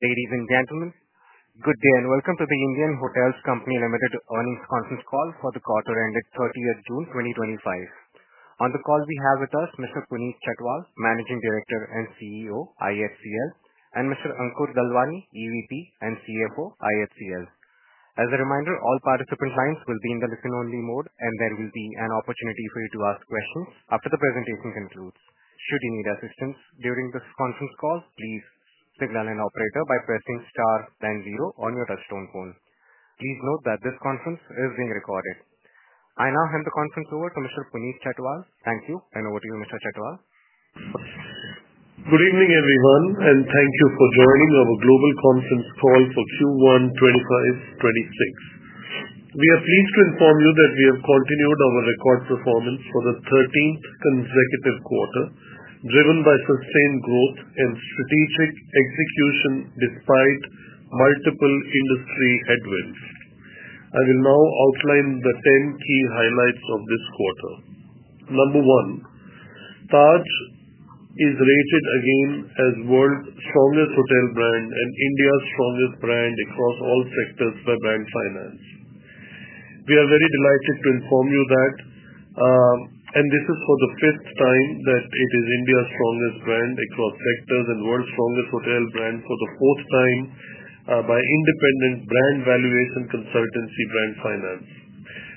Ladies and gentlemen, good day and welcome to the Indian Hotels Company Limited earnings conference call for the quarter ended 30th June 2025. On the call we have with us Mr. Puneet Chhatwal, Managing Director and CEO, IHCL, and Mr. Ankur Dalwani, EVP and CFO, IHCL. As a reminder, all participant lines will be in the listen-only mode, and there will be an opportunity for you to ask questions after the presentation concludes. Should you need assistance during this conference call, please signal an operator by pressing star, then zero on your touch-tone phone. Please note that this conference is being recorded. I now hand the conference over to Mr. Puneet Chhatwal. Thank you, and over to you, Mr. Chhatwal. Good evening, everyone, and thank you for joining our global conference call for Q1 2025/2026. We are pleased to inform you that we have continued our record performance for the 13th consecutive quarter, driven by sustained growth and strategic execution despite multiple industry headwinds. I will now outline the 10 key highlights of this quarter. Number one. Taj is rated again as World's Strongest Hotel Brand and India's Strongest Brand across all sectors by Brand Finance. We are very delighted to inform you that. And this is for the fifth time that it is India's Strongest Brand across sectors and World's Strongest Hotel Brand for the fourth time. By independent brand valuation consultancy Brand Finance.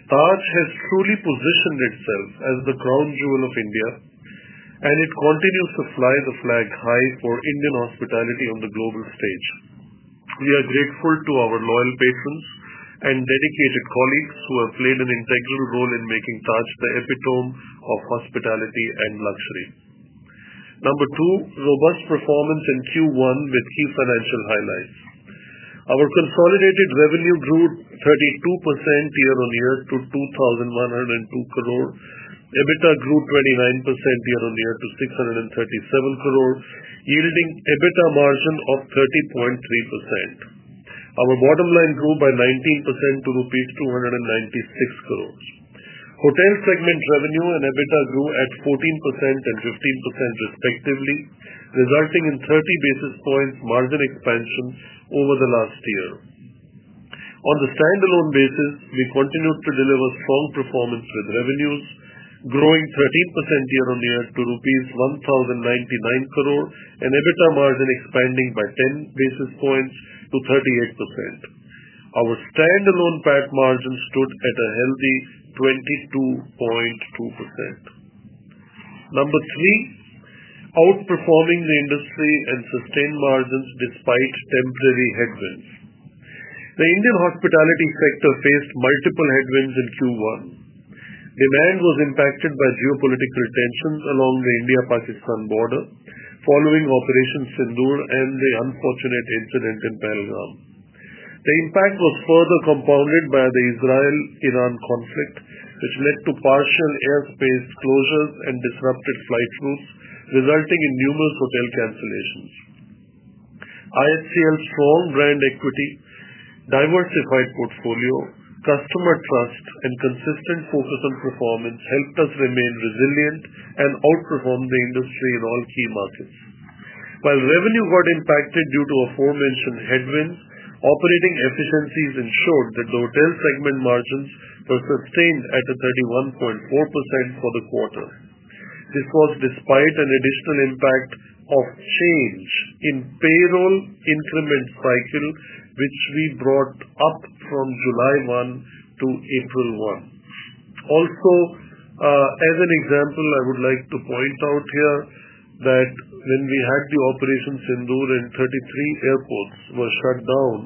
Taj has truly positioned itself as the crown jewel of India, and it continues to fly the flag high for Indian hospitality on the global stage. We are grateful to our loyal patrons and dedicated colleagues who have played an integral role in making Taj the epitome of hospitality and luxury. Number two, robust performance in Q1 with key financial highlights. Our consolidated revenue grew 32% year-on-year to 2,102 crore. EBITDA grew 29% year-on-year to 637 crore, yielding EBITDA margin of 30.3%. Our bottom line grew by 19% to rupees 296 crore. Hotel segment revenue and EBITDA grew at 14% and 15% respectively, resulting in 30 basis points margin expansion over the last year. On the standalone basis, we continued to deliver strong performance with revenues growing 13% year-on-year to rupees 1,099 crore and EBITDA margin expanding by 10 basis points to 38%. Our standalone PAT margin stood at a healthy 22.2%. Number three, outperforming the industry and sustained margins despite temporary headwinds. The Indian hospitality sector faced multiple headwinds in Q1. Demand was impacted by geopolitical tensions along the India-Pakistan border following Operation Sindoor and the unfortunate incident in Pahalgam. The impact was further compounded by the Israel-Iran conflict, which led to partial airspace closures and disrupted flight routes, resulting in numerous hotel cancellations. IHCL's strong brand equity, diversified portfolio, customer trust, and consistent focus on performance helped us remain resilient and outperform the industry in all key markets. While revenue got impacted due to aforementioned headwinds, operating efficiencies ensured that the hotel segment margins were sustained at a 31.4% for the quarter. This was despite an additional impact of change in payroll increment cycle, which we brought up from July 1 to April 1. Also. As an example, I would like to point out here that when we had the Operation Sindoor and 33 airports were shut down.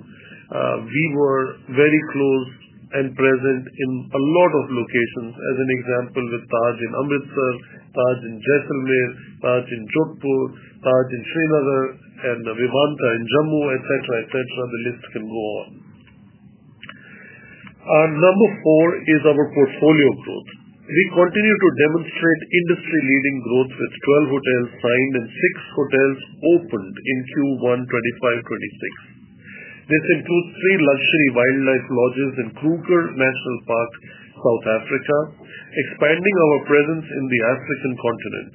We were very close and present in a lot of locations, as an example, with Taj in Amritsar, Taj in Jaisalmer, Taj in Jodhpur, Taj in Srinagar, and Vivanta in Jammu, etc., etc. The list can go on. Number four is our portfolio growth. We continue to demonstrate industry-leading growth with 12 hotels signed and six hotels opened in Q1 2025, 2026. This includes three luxury wildlife lodges in Kruger National Park, South Africa, expanding our presence in the African continent.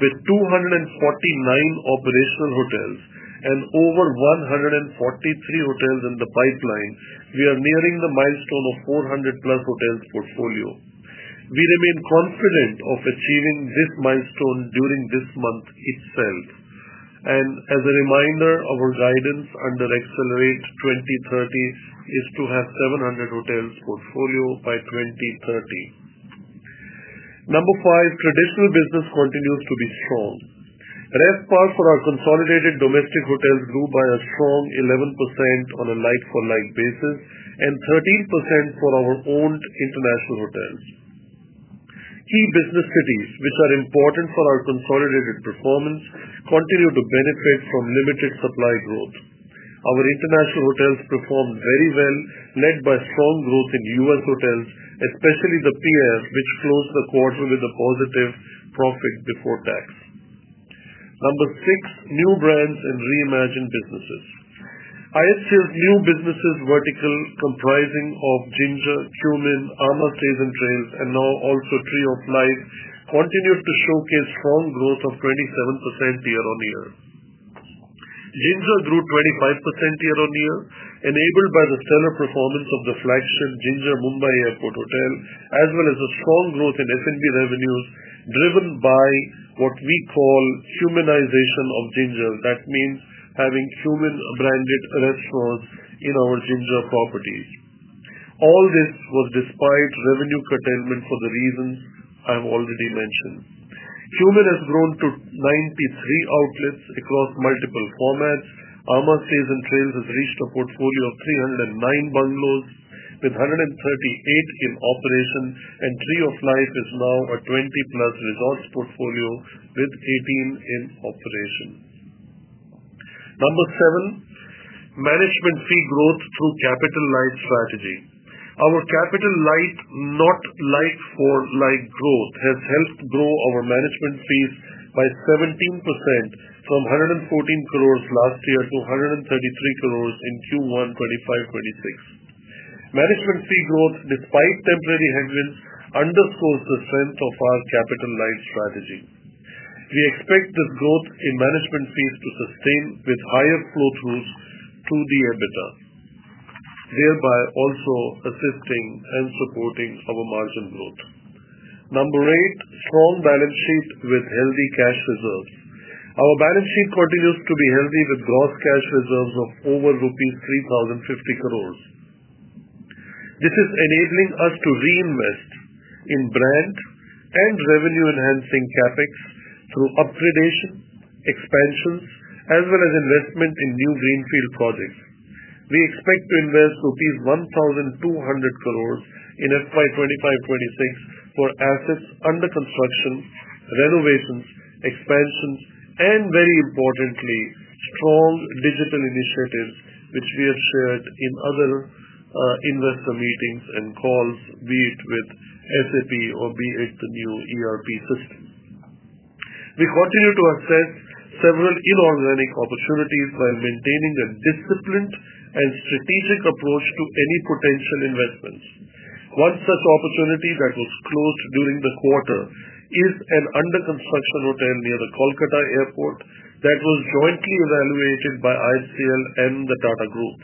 With 249 operational hotels and over 143 hotels in the pipeline, we are nearing the milestone of 400+ hotels portfolio. We remain confident of achieving this milestone during this month itself, and as a reminder, our guidance under Accelerate 2030 is to have 700 hotels portfolio by 2030. Number five, traditional business continues to be strong. RevPAR for our consolidated domestic hotels grew by a strong 11% on a like-for-like basis and 13% for our owned international hotels. Key business cities, which are important for our consolidated performance, continue to benefit from limited supply growth. Our international hotels performed very well, led by strong growth in U.S. hotels, especially The Pierre, which closed the quarter with a positive profit before tax. Number six, new brands and reimagined businesses. IHCL's new businesses vertical comprising of Ginger, Qmin, amã Stays & Trails, and now also Tree of Life continued to showcase strong growth of 27% year-on-year. Ginger grew 25% year-on-year, enabled by the stellar performance of the flagship Ginger Mumbai Airport Hotel, as well as a strong growth in F&B revenues driven by what we call humanization of Ginger. That means having Qmin-branded restaurants in our Ginger properties. All this was despite revenue curtailment for the reasons I've already mentioned. Qmin has grown to 93 outlets across multiple formats. amã Stays & Trails has reached a portfolio of 309 bungalows, with 138 in operation, and Tree of Life is now a 20+ resorts portfolio with 18 in operation. Number seven, management fee growth through capital light strategy. Our capital light, not like-for-like growth, has helped grow our management fees by 17% from 114 crore last year to 133 crore in Q1 2025, 2026. Management fee growth, despite temporary headwinds, underscores the strength of our capital light strategy. We expect this growth in management fees to sustain with higher flow throughs to the EBITDA. Thereby also assisting and supporting our margin growth. Number eight, strong balance sheet with healthy cash reserves. Our balance sheet continues to be healthy with gross cash reserves of over rupees 3,050 crore. This is enabling us to reinvest in brand and revenue-enhancing CapEx through upgradation, expansions, as well as investment in new greenfield projects. We expect to invest rupees 1,200 crore in FY 2025/2026 for assets under construction, renovations, expansions, and very importantly, strong digital initiatives, which we have shared in other investor meetings and calls, be it with SAP or be it the new ERP system. We continue to assess several inorganic opportunities while maintaining a disciplined and strategic approach to any potential investments. One such opportunity that was closed during the quarter is an under-construction hotel near the Kolkata Airport that was jointly evaluated by IHCL and the Tata Group.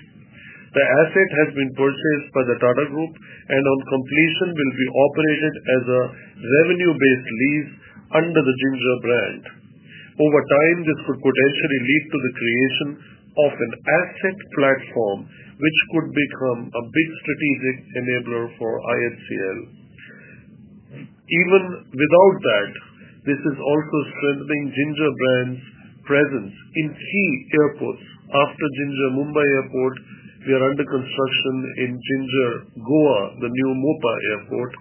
The asset has been purchased by the Tata Group and on completion will be operated as a revenue-based lease under the Ginger brand. Over time, this could potentially lead to the creation of an asset platform, which could become a big strategic enabler for IHCL. Even without that, this is also strengthening Ginger brand's presence in key airports. After Ginger Mumbai Airport, we are under construction in Ginger Goa, the new MOPA airport.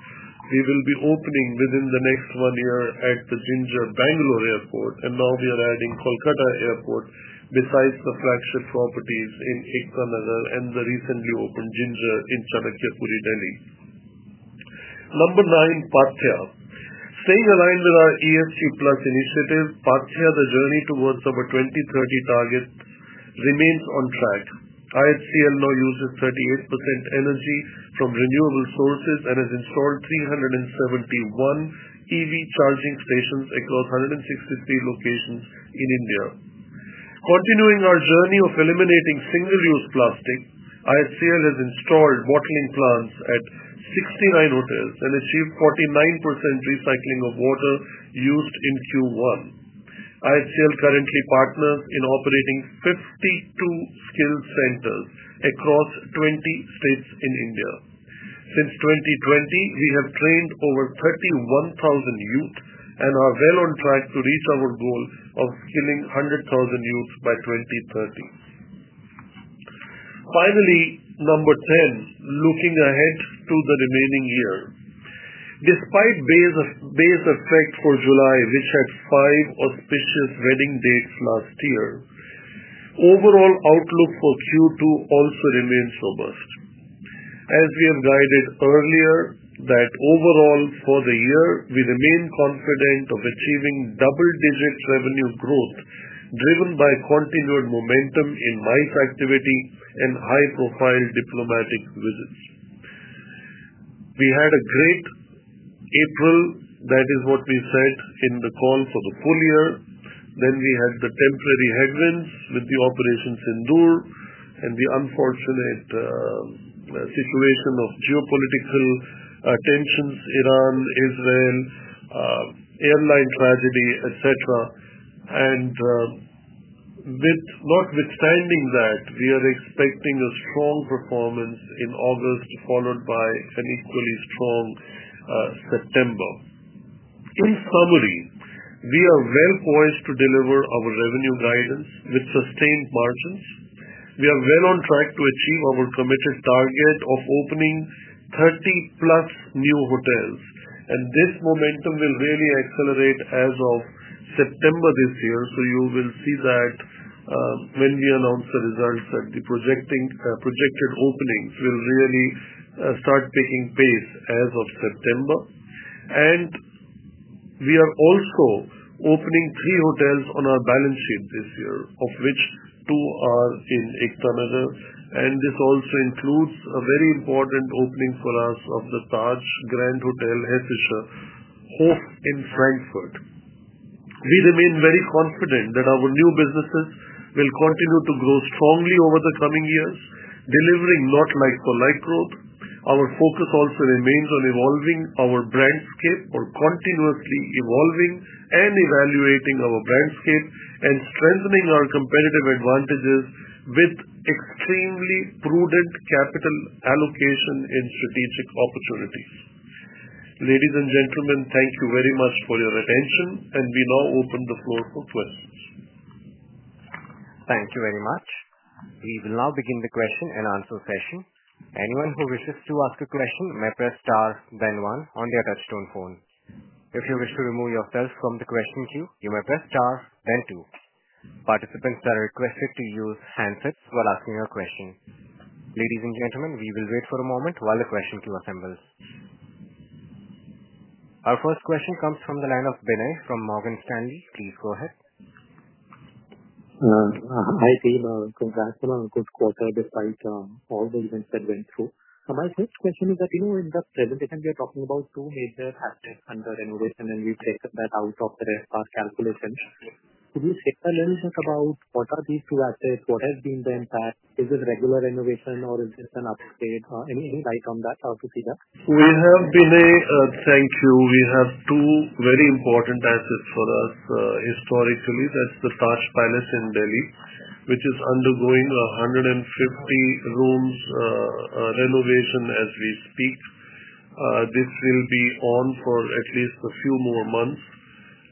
We will be opening within the next one year at the Ginger Bangalore Airport, and now we are adding Kolkata Airport besides the flagship properties in Ikhwanagar and the recently opened Ginger in Chanakya Puri, Delhi. Number nine, Pathya. Staying aligned with our ESG+ initiative, Pathya, the journey towards our 2030 target, remains on track. IHCL now uses 38% energy from renewable sources and has installed 371 EV charging stations across 163 locations in India. Continuing our journey of eliminating single-use plastic, IHCL has installed bottling plants at 69 hotels and achieved 49% recycling of water used in Q1. IHCL currently partners in operating 52 skill centers across 20 states in India. Since 2020, we have trained over 31,000 youth and are well on track to reach our goal of skilling 100,000 youth by 2030. Finally, number ten, looking ahead to the remaining year. Despite base effect for July, which had five auspicious wedding dates last year. Overall outlook for Q2 also remains robust. As we have guided earlier that overall for the year, we remain confident of achieving double-digit revenue growth driven by continued momentum in MICE activity and high-profile diplomatic visits. We had a great April, that is what we said in the call for the full year. Then we had the temporary headwinds with the operation Sindoor and the unfortunate situation of geopolitical tensions, Iran, Israel, airline tragedy, etc. Notwithstanding that, we are expecting a strong performance in August, followed by an equally strong September. In summary, we are well poised to deliver our revenue guidance with sustained margins. We are well on track to achieve our committed target of opening 30-plus new hotels. And this momentum will really accelerate as of September this year. So you will see that. When we announce the results that the projected openings will really start picking pace as of September. We are also opening three hotels on our balance sheet this year, of which two are in Ikhwanagar. And this also includes a very important opening for us of the Taj Grand Hotel, Hessischer Hof in Frankfurt. We remain very confident that our new businesses will continue to grow strongly over the coming years, delivering not like-for-like growth. Our focus also remains on evolving our brand scape or continuously evolving and evaluating our brand scape and strengthening our competitive advantages with extremely prudent capital allocation in strategic opportunities. Ladies and gentlemen, thank you very much for your attention, and we now open the floor for questions. Thank you very much. We will now begin the question and answer session. Anyone who wishes to ask a question may press star, then one, on their touch-tone phone. If you wish to remove yourself from the question queue, you may press star, then two. Participants are requested to use handsets while asking a question. Ladies and gentlemen, we will wait for a moment while the question queue assembles. Our first question comes from the line of Binay from Morgan Stanley. Please go ahead. Hi, Team. Congrats on a good quarter despite all the events that went through. My first question is that in the presentation, we are talking about two major assets under renovation, and we've taken that out of the RevPAR calculation. Could you share a little bit about what are these two assets? What has been the impact? Is it regular renovation, or is this an upgrade? Any light on that? How to see that? We have, Binay, thank you. We have two very important assets for us historically. That's the Taj Palace in Delhi, which is undergoing a 150 rooms renovation as we speak. This will be on for at least a few more months,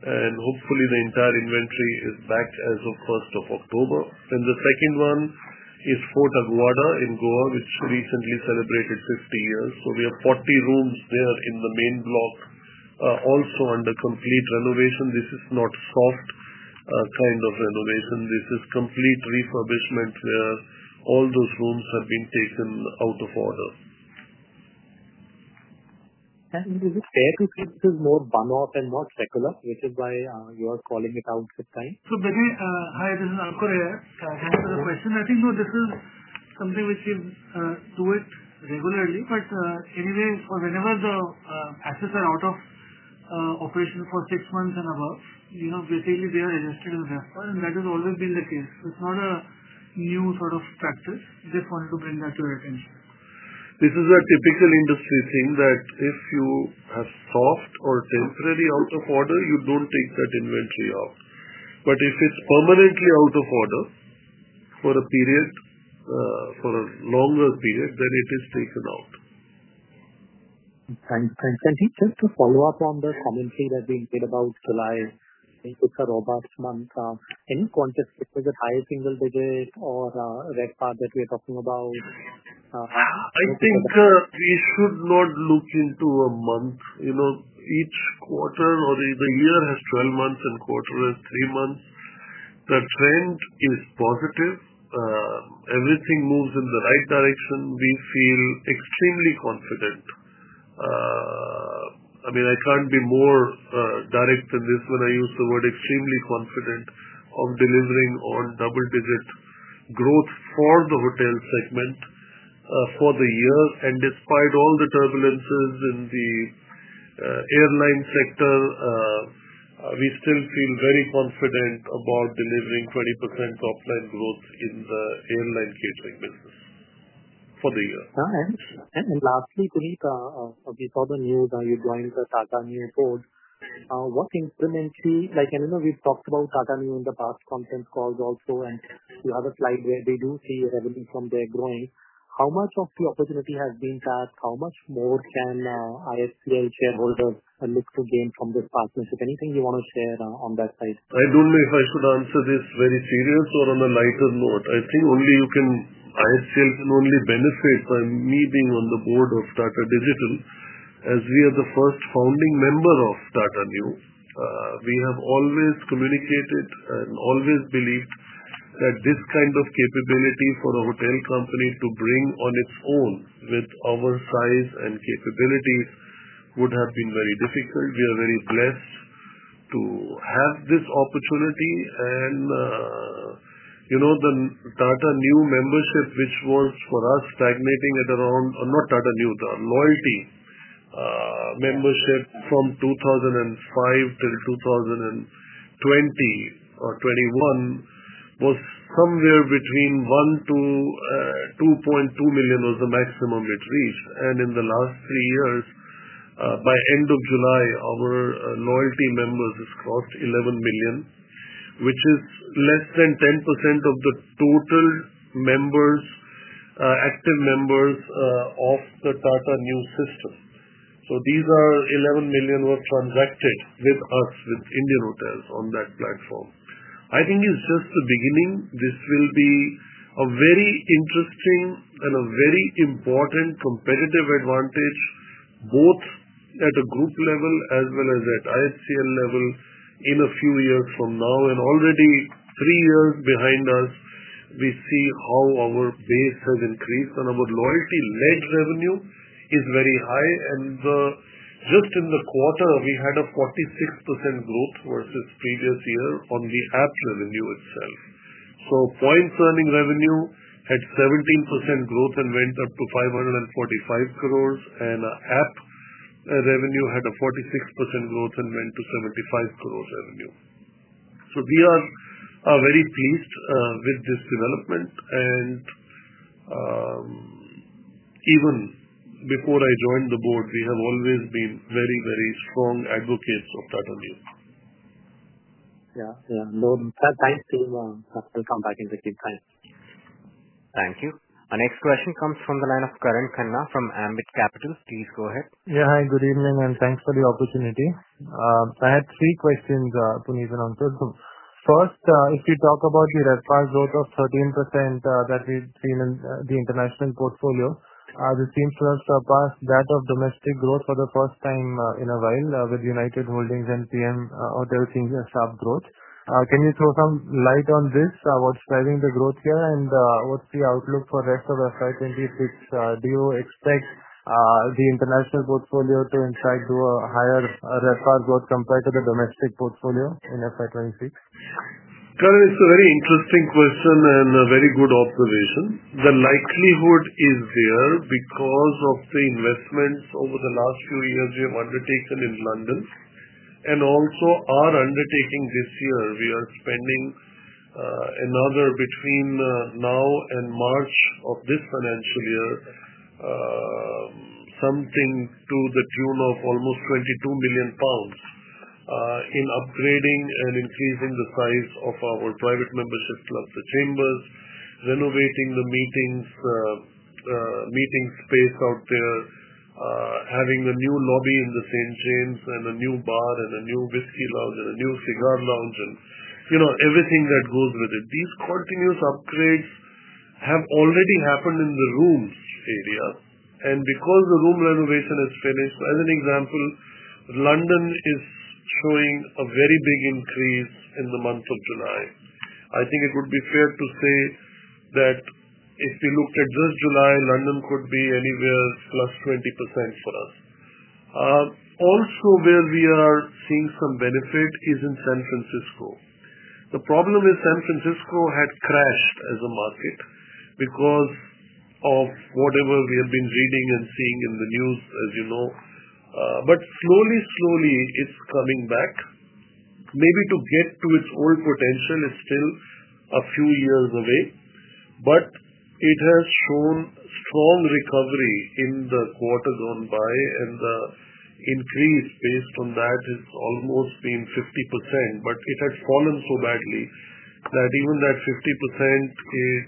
and hopefully, the entire inventory is back as of 1st of October. And the second one is Fort Aguada in Goa, which recently celebrated 50 years. So we have 40 rooms there in the main block. Also under complete renovation. This is not soft. Kind of renovation. This is complete refurbishment where all those rooms have been taken out of order. Can you explain to me this is more one-off and not regular, which is why you are calling it out this time? So, Binay, hi. This is Ankur Dalwani. Can I ask you a question? I think, no, this is something which we do regularly. But anyway, whenever the assets are out of. Operation for six months and above, basically, they are adjusted in RevPAR, and that has always been the case. It's not a new sort of practice. Just wanted to bring that to your attention. This is a typical industry thing that if you have soft or temporary out of order, you don't take that inventory out. But if it's permanently out of order for a period. For a longer period, then it is taken out. Thanks. Can you just follow up on the commentary that's being made about July, which is a robust month? Any context that was a higher single digit or RevPAR that we are talking about? I think we should not look into a month. Each quarter or the year has 12 months, and quarter has three months. The trend is positive. Everything moves in the right direction. We feel extremely confident. I mean, I can't be more direct than this when I use the word extremely confident of delivering on double-digit growth for the hotel segment. For the year. And despite all the turbulences in the airline sector. We still feel very confident about delivering 20% top-line growth in the airline catering business for the year. Thanks. And lastly, Puneet, on this other news that you joined the Tata Neu board, what incrementally and I know we've talked about Tata Neu in the past conference calls also, and you have a slide where we do see revenue from there growing. How much of the opportunity has been tapped? How much more can IHCL shareholders look to gain from this partnership? Anything you want to share on that side? I don't know if I should answer this very serious or on a lighter note. I think only IHCL can only benefit by me being on the board of Tata Digital. As we are the first founding member of Tata Neu, we have always communicated and always believed that this kind of capability for a hotel company to bring on its own with our size and capabilities would have been very difficult. We are very blessed to have this opportunity. And the Tata Neu membership, which was for us stagnating at around not Tata Neu, the loyalty membership from 2005 till 2020 or 2021 was somewhere between one to 2.2 million was the maximum it reached. And in the last three years, by end of July, our loyalty members have crossed 11 million, which is less than 10% of the total active members of the Tata Neu system. So these are 11 million were transacted with us, with Indian Hotels, on that platform. I think it's just the beginning. This will be a very interesting and a very important competitive advantage, both at a group level as well as at IHCL level, in a few years from now. And already three years behind us, we see how our base has increased, and our loyalty-led revenue is very high. And just in the quarter, we had a 46% growth versus the previous year on the app revenue itself. So points-earning revenue had 17% growth and went up to 545 crore, and app revenue had a 46% growth and went to 75 crore revenue. So we are very pleased with this development. And even before I joined the board, we have always been very, very strong advocates of Tata Neu. Yeah. Yeah. Thanks, team. We'll come back in the meantime. Thank you. Our next question comes from the line of Karan Khanna from Ambit Capital. Please go ahead. Yeah. Hi. Good evening, and thanks for the opportunity. I had three questions to be answered. First, if we talk about the RevPAR growth of 13% that we've seen in the international portfolio, this seems to have surpassed that of domestic growth for the first time in a while with United Holdings and PM Hotels seeing sharp growth. Can you throw some light on this? What's driving the growth here, and what's the outlook for the rest FY 2026? Do you expect the international portfolio to in fact do a higher RevPAR growth compared to the domestic portfolio in FY 2026? Karan, it's a very interesting question and a very good observation. The likelihood is there because of the investments over the last few years we have undertaken in London. And also, our undertaking this year, we are spending. Another between now and March of this financial year. Something to the tune of almost GBP 22 million. In upgrading and increasing the size of our private membership club, the Chambers, renovating the meeting. Space out there, having a new lobby in the St. James and a new bar and a new whiskey lounge and a new cigar lounge and everything that goes with it. These continuous upgrades have already happened in the rooms area. And because the room renovation is finished, as an example, London is showing a very big increase in the month of July. I think it would be fair to say that. If we looked at just July, London could be anywhere +20% for us. Also, where we are seeing some benefit is in San Francisco. The problem is San Francisco had crashed as a market because of whatever we have been reading and seeing in the news, as you know. But slowly, slowly, it's coming back. Maybe to get to its old potential is still a few years away. But it has shown strong recovery in the quarters gone by, and the increase based on that has almost been 50%. But it had fallen so badly that even that 50%.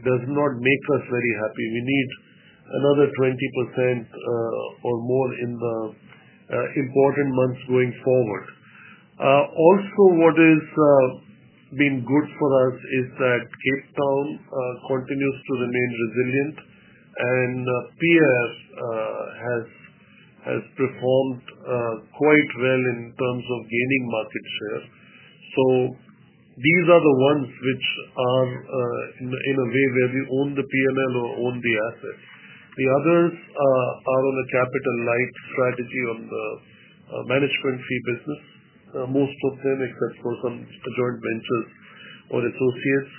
Does not make us very happy. We need another 20%. Or more in the. Important months going forward. Also, what has. Been good for us is that Cape Town continues to remain resilient, and The Pierre. Has. Performed quite well in terms of gaining market share. So. These are the ones which are. In a way where we own the P&L or own the assets. The others are on a capital-light strategy on the management fee business, most of them, except for some joint ventures or associates.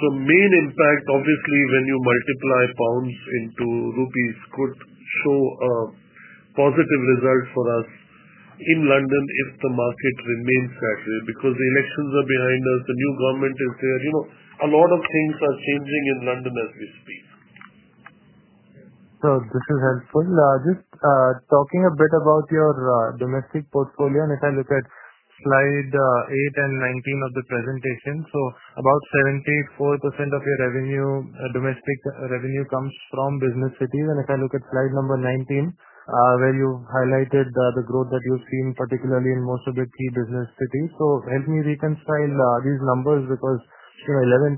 So main impact, obviously, when you multiply pounds into rupees, could show. A positive result for us. In London if the market remains that way because the elections are behind us, the new government is there. A lot of things are changing in London as we speak. So this is helpful. Just talking a bit about your domestic portfolio, and if I look at slide eight and 19 of the presentation, so about 74% of your domestic revenue comes from business cities. And if I look at slide number 19, where you highlighted the growth that you've seen, particularly in most of the key business cities. So help me reconcile these numbers because 11%-12%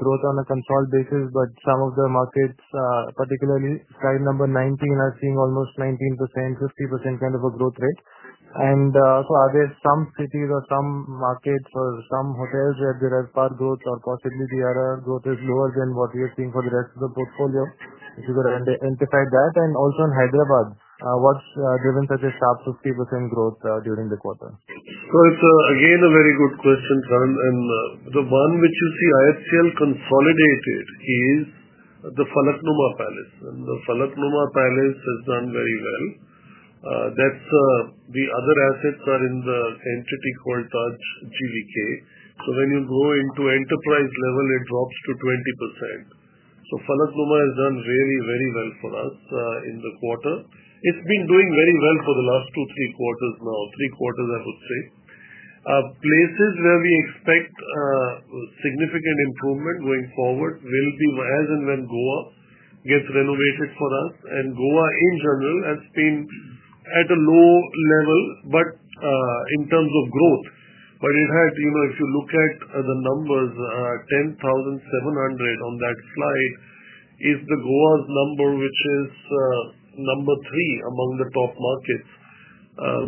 growth on a consolidated basis, but some of the markets, particularly slide number 19, are seeing almost 19%, 50% kind of a growth rate. And so are there some cities or some markets or some hotels where the RevPAR growth or possibly the RevPAR growth is lower than what we are seeing for the rest of the portfolio? If you could identify that. And also in Hyderabad, what's driven such a sharp 50% growth during the quarter? So it's again a very good question, Karan. And the one which you see IHCL consolidated is the Falaknuma Palace. And the Falaknuma Palace has done very well. The other assets are in the entity called TAJGVK. So when you go into enterprise level, it drops to 20%. So Falaknuma has done really, very well for us in the quarter. It's been doing very well for the last two, three quarters now, three quarters, I would say. Places where we expect significant improvement going forward will be as and when Goa gets renovated for us. And Goa, in general, has been at a low level in terms of growth. But if you look at the numbers, 10,700 on that slide is Goa's number, which is number three among the top markets.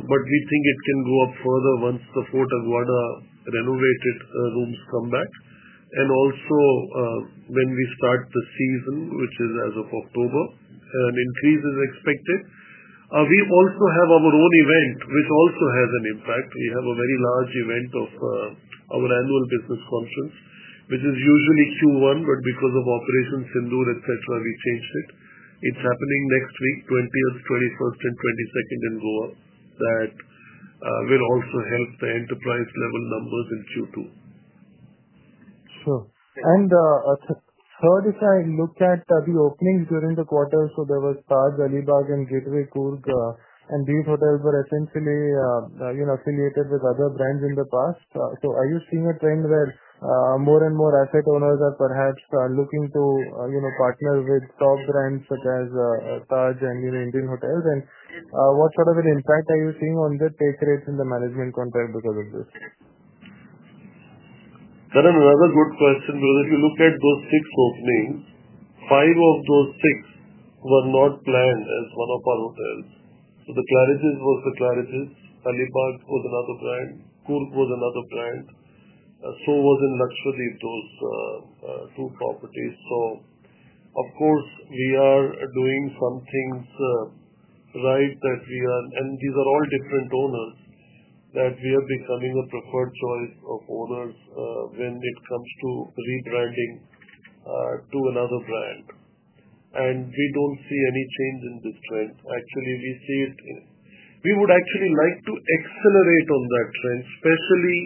But we think it can go up further once the Fort Aguada renovated rooms come back. And also, when we start the season, which is as of October, an increase is expected. We also have our own event, which also has an impact. We have a very large event of our annual business conference, which is usually Q1, but because of operations, Sindoor, etc., we changed it. It's happening next week, 20th, 21st, and 22nd in Goa that will also help the enterprise-level numbers in Q2. Sure. And third, if I look at the openings during the quarter, so there was Taj Alibaug, and Gateway Kurk, and these hotels were essentially affiliated with other brands in the past. So are you seeing a trend where more and more asset owners are perhaps looking to partner with top brands such as Taj and Indian Hotels? And what sort of an impact are you seeing on the pay trades and the management contract because of this? Karan, another good question, brother. If you look at those six openings, five of those six were not planned as one of our hotels. So the Claridge's was the Claridge's. Alibag was another brand. Kurk was another brand. So was in Lakshadweep, those two properties. So of course, we are doing some things right that we are and these are all different owners that we are becoming a preferred choice of owners when it comes to rebranding to another brand. And we don't see any change in this trend. Actually, we see it we would actually like to accelerate on that trend, especially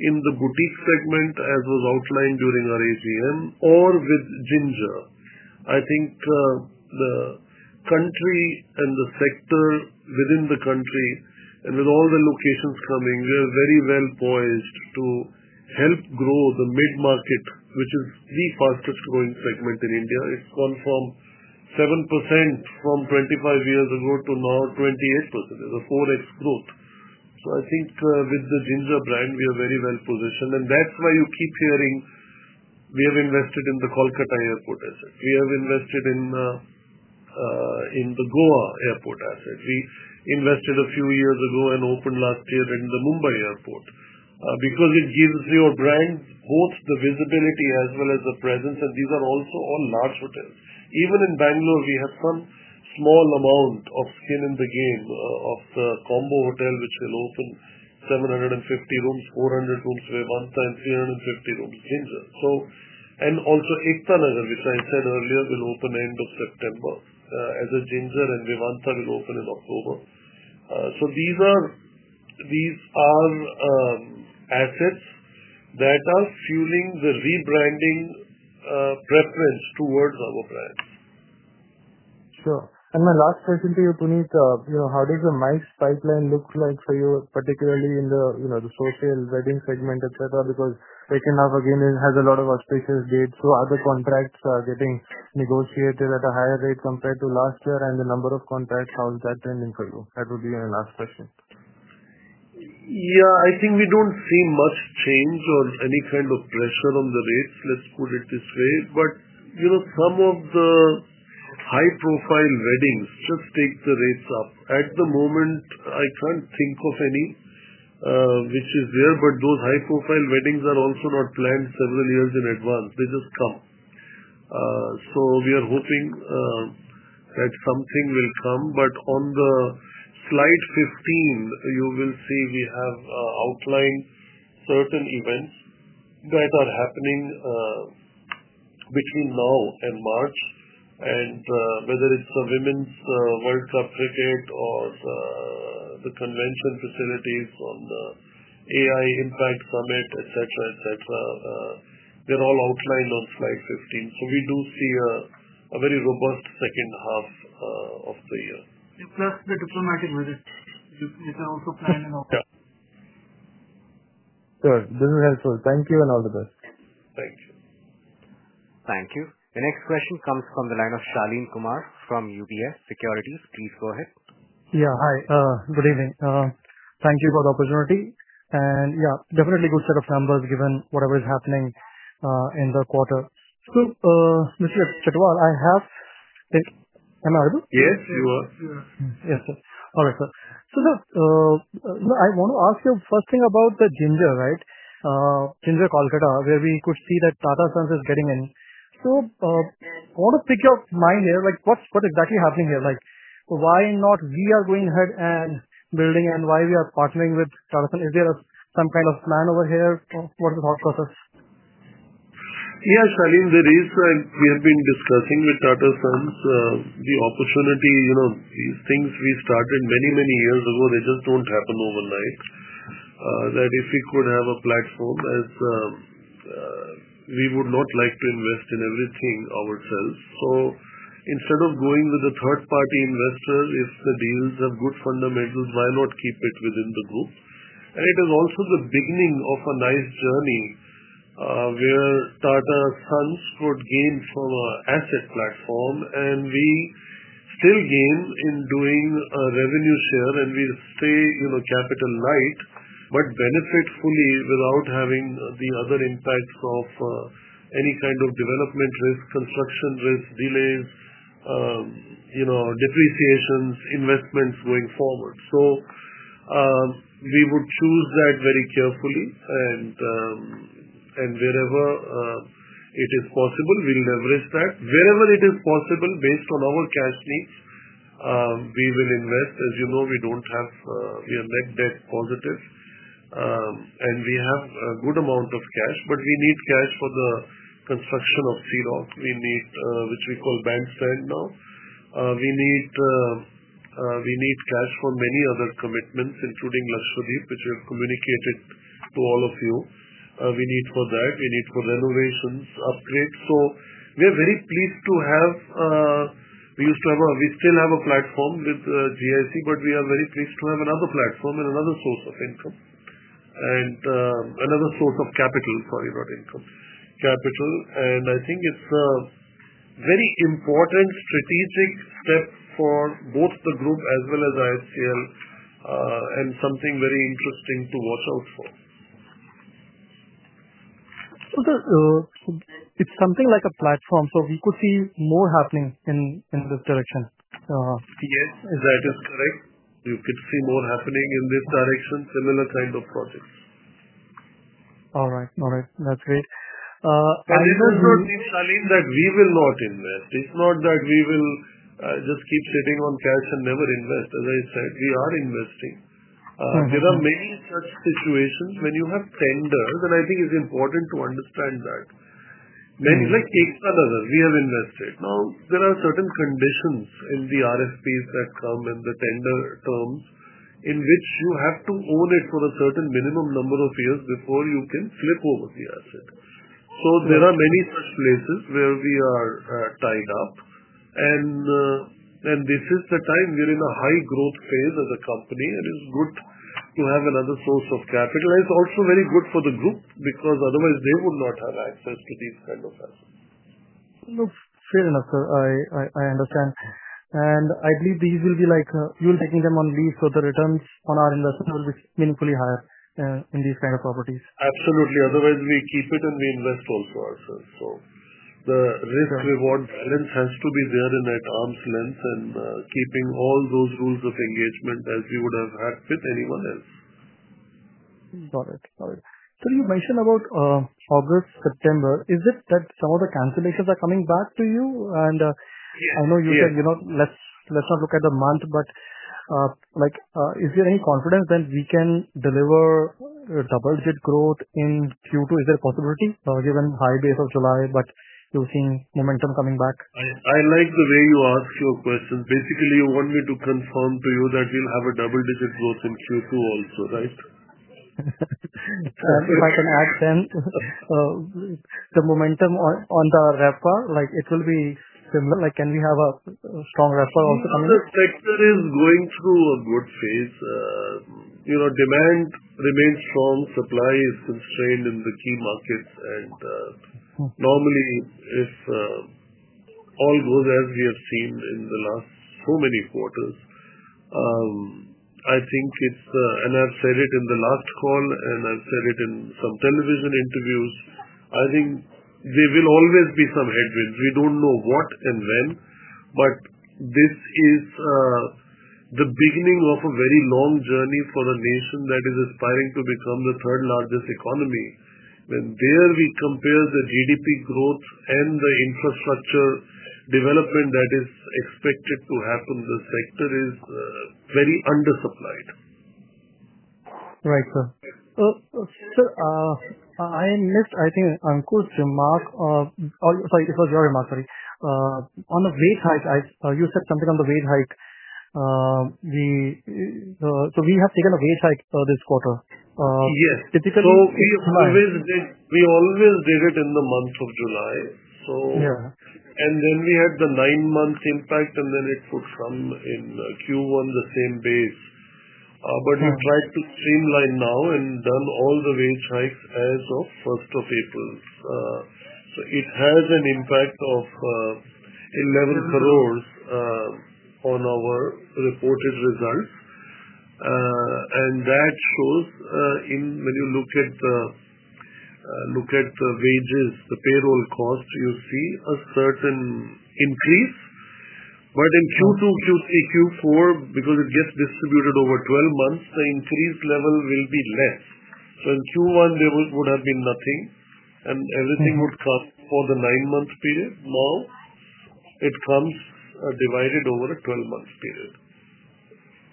in the boutique segment, as was outlined during our AGM, or with Ginger. I think the country and the sector within the country and with all the locations coming, we are very well poised to help grow the mid-market, which is the fastest-growing segment in India. It's gone from 7% from 25 years ago to now 28%. It's a 4X growth. So I think with the Ginger brand, we are very well-positioned. And that's why you keep hearing "We have invested in the Kolkata Airport asset." We have invested in the Goa Airport asset. We invested a few years ago and opened last year in the Mumbai Airport because it gives your brand both the visibility as well as the presence. And these are also all large hotels. Even in Bangalore, we have some small amount of skin in the game of the combined hotel, which will open 750 rooms, 400 rooms Vivanta, and 350 rooms Ginger. And also Ikhwanagar, which I said earlier, will open end of September as a Ginger, and Vivanta will open in October. So these are assets that are fueling the rebranding preference towards our brand. Sure.And my last question to you, Puneet, how does the MICE pipeline look like for you, particularly in the social wedding segment, etc.? Because second half, again, has a lot of auspicious dates. So are the contracts getting negotiated at a higher rate compared to last year? And the number of contracts, how is that trending for you? That would be my last question. Yeah. I think we don't see much change or any kind of pressure on the rates, let's put it this way. But some of the high-profile weddings just take the rates up. At the moment, I can't think of any, which is there. But those high-profile weddings are also not planned several years in advance. They just come. So we are hoping that something will come. But on the slide 15, you will see we have outlined certain events that are happening between now and March. And whether it's the Women's World Cup Cricket or the convention facilities on the AI Impact Summit, etc., etc. They're all outlined on slide 15. So we do see a very robust second half of the year. Plus the diplomatic visits you can also plan. Yeah. Sure. This is helpful. Thank you and all the best. Thank you. Thank you. The next question comes from the line of Shaleen Kumar from UBS Securities. Please go ahead. Yeah. Hi. Good evening. Thank you for the opportunity. And yeah, definitely good set of numbers given whatever is happening in the quarter. So Mr. Chhatwal, I have. Am I audible? Yes, you are. Yes. All right, sir. So sir, I want to ask you first thing about the Ginger, right? Ginger Kolkata, where we could see that Tata Sons is getting in. So I want to pick your mind here. What's exactly happening here? Why not we are going ahead and building and why we are partnering with Tata Sons? Is there some kind of plan over here? What's the thought process? Yeah, Shaleen, there is. We have been discussing with Tata Sons the opportunity. These things we started many, many years ago, they just don't happen overnight. That if we could have a platform as we would not like to invest in everything ourselves. So instead of going with a third-party investor, if the deals have good fundamentals, why not keep it within the group? And it is also the beginning of a nice journey. Where Tata Sons could gain from an asset platform. And we still gain in doing a revenue share. And we stay capital-light but benefit fully without having the other impacts of. Any kind of development risk, construction risk, delays. Depreciations, investments going forward. So. We would choose that very carefully. And. We'll leverage that wherever it is possible, based on our cash needs, we will invest. As you know, we don't have—we are net debt positive. And we have a good amount of cash. But we need cash for the construction of Cedoc, which we call Bank Stand now. We need. Cash for many other commitments, including Lakshadweep, which we have communicated to all of you. We need for that. We need for renovations, upgrades. So we are very pleased to have. We used to have a—we still have a platform with GIC, but we are very pleased to have another platform and another source of capital. Sorry, not income. Capital. And I think it's a very important strategic step for both the group as well as IHCL. And something very interesting to watch out for. So sir, it's something like a platform. So we could see more happening in this direction. Yes, that is correct. You could see more happening in this direction, similar kind of projects. All right. All right. That's great. And it does not mean, Shaleen, that we will not invest. It's not that we will just keep sitting on cash and never invest. As I said, we are investing. There are many such situations when you have tenders, and I think it's important to understand that. Like Ikhwanagar, we have invested. Now, there are certain conditions in the RFPs that come and the tender terms in which you have to own it for a certain minimum number of years before you can flip over the asset. So there are many such places where we are tied up. And. This is the time we're in a high-growth phase as a company. And it's good to have another source of capital. It's also very good for the group because otherwise, they would not have access to these kinds of assets. Fair enough, sir. I understand. And I believe these will be like you will be taking them on lease, so the returns on our investment will be meaningfully higher in these kinds of properties. Absolutely. Otherwise, we keep it and we invest also ourselves. So the risk-reward balance has to be there in at arm's length and keeping all those rules of engagement as we would have had with anyone else. Got it. Got it. So you mentioned about. August, September. Is it that some of the cancellations are coming back to you? And I know you said, "Let's not look at the month," but. Is there any confidence that we can deliver. Double-digit growth in Q2? Is there a possibility given high base of July but you're seeing momentum coming back? I like the way you ask your questions. Basically, you want me to confirm to you that we'll have a double-digit growth in Q2 also, right? If I can add then. The momentum on the RevPAR, it will be similar. Can we have a strong RevPAR also coming? The sector is going through a good phase. Demand remains strong. Supply is constrained in the key markets. And normally, if all goes as we have seen in the last so many quarters. I think it's—and I've said it in the last call, and I've said it in some television interviews—I think there will always be some headwinds. We don't know what and when, but this is the beginning of a very long journey for a nation that is aspiring to become the third-largest economy. When there we compare the GDP growth and the infrastructure development that is expected to happen, the sector is very undersupplied. Right, sir. Sir. I missed, I think, Ankur's remark. Sorry, it was your remark, sorry. On the wage hike, you said something on the wage hike. So we have taken a wage hike this quarter. Typically, we— Yes. So we always did. We always did it in the month of July. And then we had the nine-month impact, and then it could come in Q1, the same base. But we tried to streamline now and done all the wage hikes as of 1st of April. So it has an impact of 11 crore on our reported results. And that shows when you look at the wages, the payroll cost, you see a certain increase. But in Q2, Q3, Q4, because it gets distributed over 12 months, the increase level will be less. So in Q1, there would have been nothing, and everything would come for the nine-month period. Now it comes divided over a 12-month period.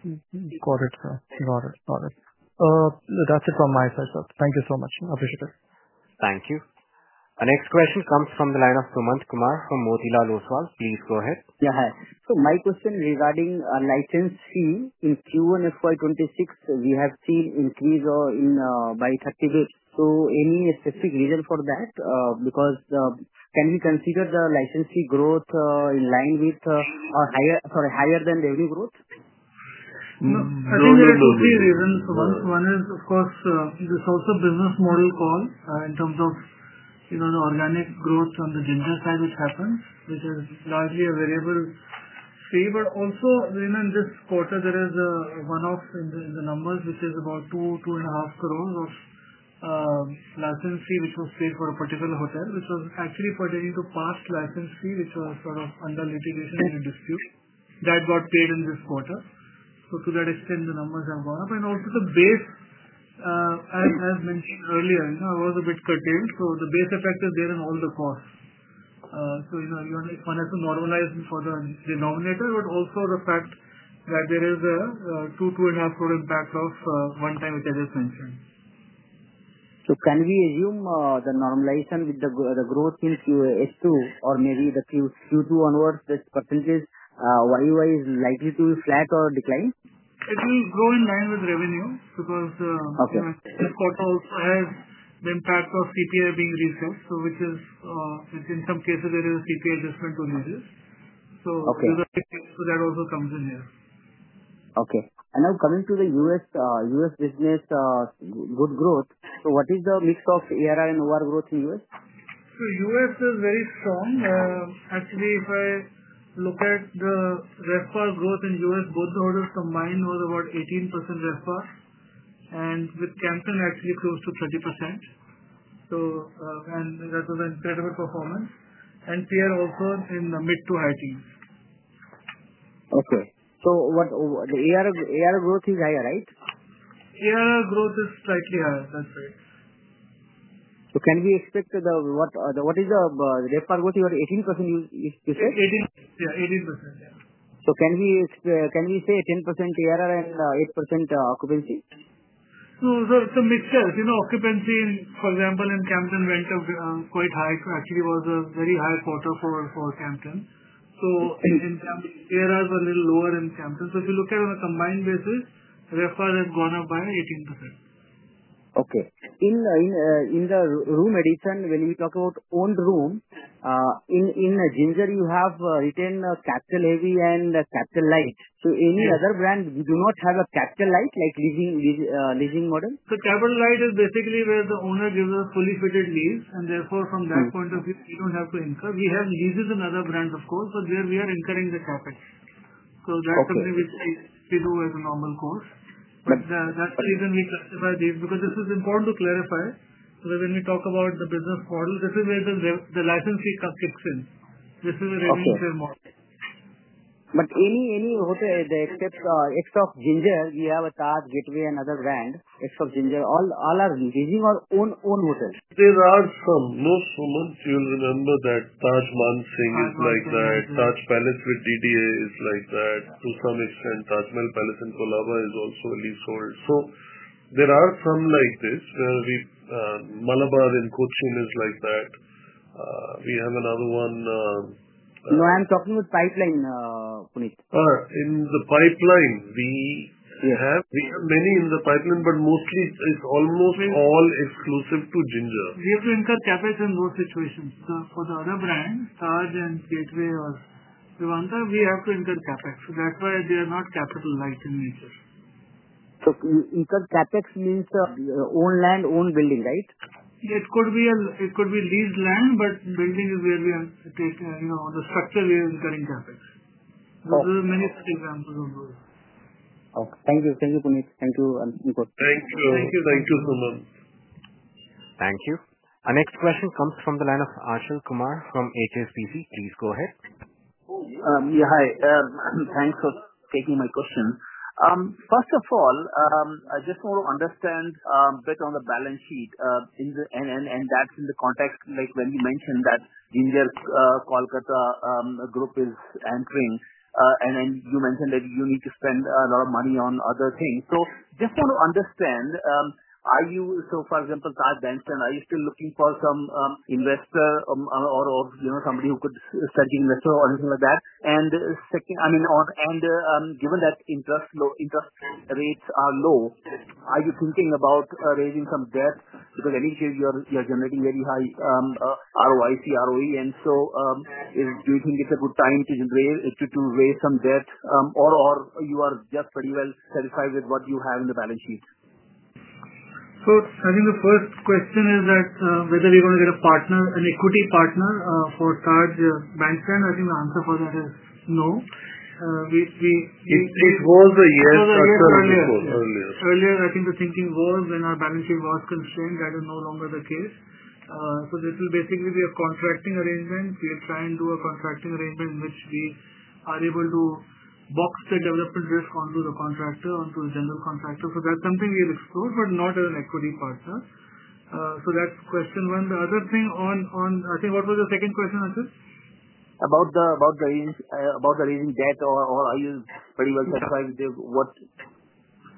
Got it, sir. Got it. Got it. That's it from my side, sir. Thank you so much. Appreciate it. Thank you. Our next question comes from the line of Sumant Kumar from Motilal Oswal. Please go ahead. Yeah. Hi. So my question regarding license fee in Q1 FY 2026, we have seen increase by 30%. So any specific reason for that? Because can we consider the license fee growth in line with—sorry, higher than revenue growth? I think there are two reasons. One is, of course, this also business model call in terms of the organic growth on the Ginger side, which happens, which is largely a variable fee. But also, in this quarter, there is a one-off in the numbers, which is about 2-2.5 crore of license fee which was paid for a particular hotel, which was actually pertaining to past license fee, which was sort of under litigation and dispute that got paid in this quarter. So to that extent, the numbers have gone up. And also the base. As mentioned earlier, it was a bit curtailed. So the base effect is there in all the costs. So you want to normalize for the denominator, but also the fact that there is a 2- 2.5 crore impact of one time which I just mentioned. So can we assume the normalization with the growth in Q2 or maybe the Q2 onwards, this percentage, why is it likely to be flat or decline? It will grow in line with revenue because. The quarter also has the impact of CPI being reset, which is. In some cases, there is a CPI adjustment to license fees. So that also comes in here. Okay. And now coming to the US business good growth. So what is the mix of ADR and occupancy in US? So US is very strong. Actually, if I look at the RevPAR growth in US, both the hotels combined was about 18% RevPAR. And with Campton actually close to 30%. And that was an incredible performance. And PR also in the mid to high teens. Okay. So the ADR growth is higher, right? ADR growth is slightly higher. That's right. So can we expect the—what is the RevPAR growth? You are 18%, you said? Yeah. 18%. Yeah. So can we say 18% ADR and 8% occupancy? No, sir. It's a mixture. Occupancy, for example, in Campton went up quite high. Actually, it was a very high quarter for Campton. So ADRs are a little lower in Campton. So if you look at it on a combined basis, RevPAR has gone up by 18%. Okay. In the room addition, when we talk about owned room. In Ginger, you have retained capital-heavy and capital-light. So any other brand do not have a capital-light leasing model? The capital-light is basically where the owner gives us fully-fitted lease. And therefore, from that point of view, we don't have to incur. We have leases in other brands, of course, but there we are incurring the capital. So that's something which we do as a normal course. But that's the reason we classify these because this is important to clarify. When we talk about the business model, this is where the license fee kicks in. This is a revenue-share model. But any hotel, except Ginger, we have a Taj, Gateway, and other brands. Except Ginger, all are leasing or own hotels? There are some—no, Sumant, you'll remember that Taj Man Singh is like that. Taj Palace with DDA is like that. To some extent, Taj Mahal Palace in Colaba is also a leasehold. So there are some like this where Malabar in Cochin is like that. We have another one. No, I'm talking with pipeline, Puneet. In the pipeline, we have many in the pipeline, but mostly it's almost all exclusive to Ginger. We have to incur CapEx in those situations. So for the other brands, Taj and Gateway or Vivanta, we have to incur CapEx. That's why they are not capital light in nature. So incur CapEx means own land, own building, right? It could be leased land, but building is where we have to take the structure we are incurring CapEx. Those are many examples of those. Okay. Thank you. Thank you, Puneet. Thank you, Ankur. Thank you. Thank you, Sumant. Thank you. Our next question comes from the line of Ashish Kumar from HSBC. Please go ahead. Yeah. Hi. Thanks for taking my question. First of all, I just want to understand a bit on the balance sheet. And that's in the context when you mentioned that Ginger's Kolkata airport is entering. And then you mentioned that you need to spend a lot of money on other things. So just want to understand. Are you—so for example, Taj Bankstan, are you still looking for some investor or somebody who could strategic investor or anything like that? And I mean, given that interest rates are low, are you thinking about raising some debt? Because anyway, you're generating very high ROIC, ROE. And so. Do you think it's a good time to raise some debt? Or you are just pretty well satisfied with what you have in the balance sheet? So I think the first question is that whether we're going to get an equity partner for Taj Bankstan. I think the answer for that is no. It was a yes earlier. Earlier, I think the thinking was when our balance sheet was constrained. That is no longer the case. So this will basically be a contracting arrangement. We'll try and do a contracting arrangement in which we are able to box the development risk onto the contractor, onto the general contractor. So that's something we have explored, but not as an equity partner. So that's question one. The other thing on—I think what was the second question answered? About the raising debt or are you pretty well satisfied with what?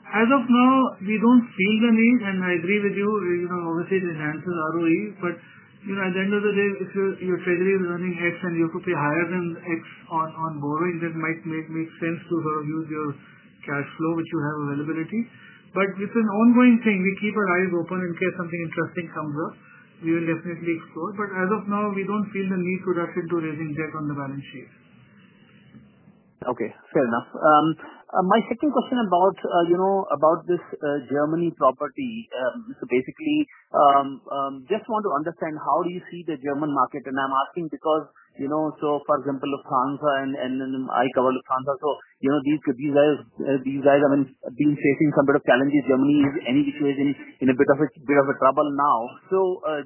As of now, we don't feel the need. And I agree with you. Obviously, it enhances ROE. But at the end of the day, if your treasury is running X and you have to pay higher than X on borrowing, that might make sense to sort of use your cash flow, which you have availability. But it's an ongoing thing. We keep our eyes open in case something interesting comes up. We will definitely explore. But as of now, we don't feel the need to rush into raising debt on the balance sheet. Okay. Fair enough. My second question about this Germany property. So basically, just want to understand how do you see the German market? And I'm asking because, so for example, Lufthansa and I cover Lufthansa. So these guys, these guys have been facing some bit of challenges. Germany is in a bit of trouble now. So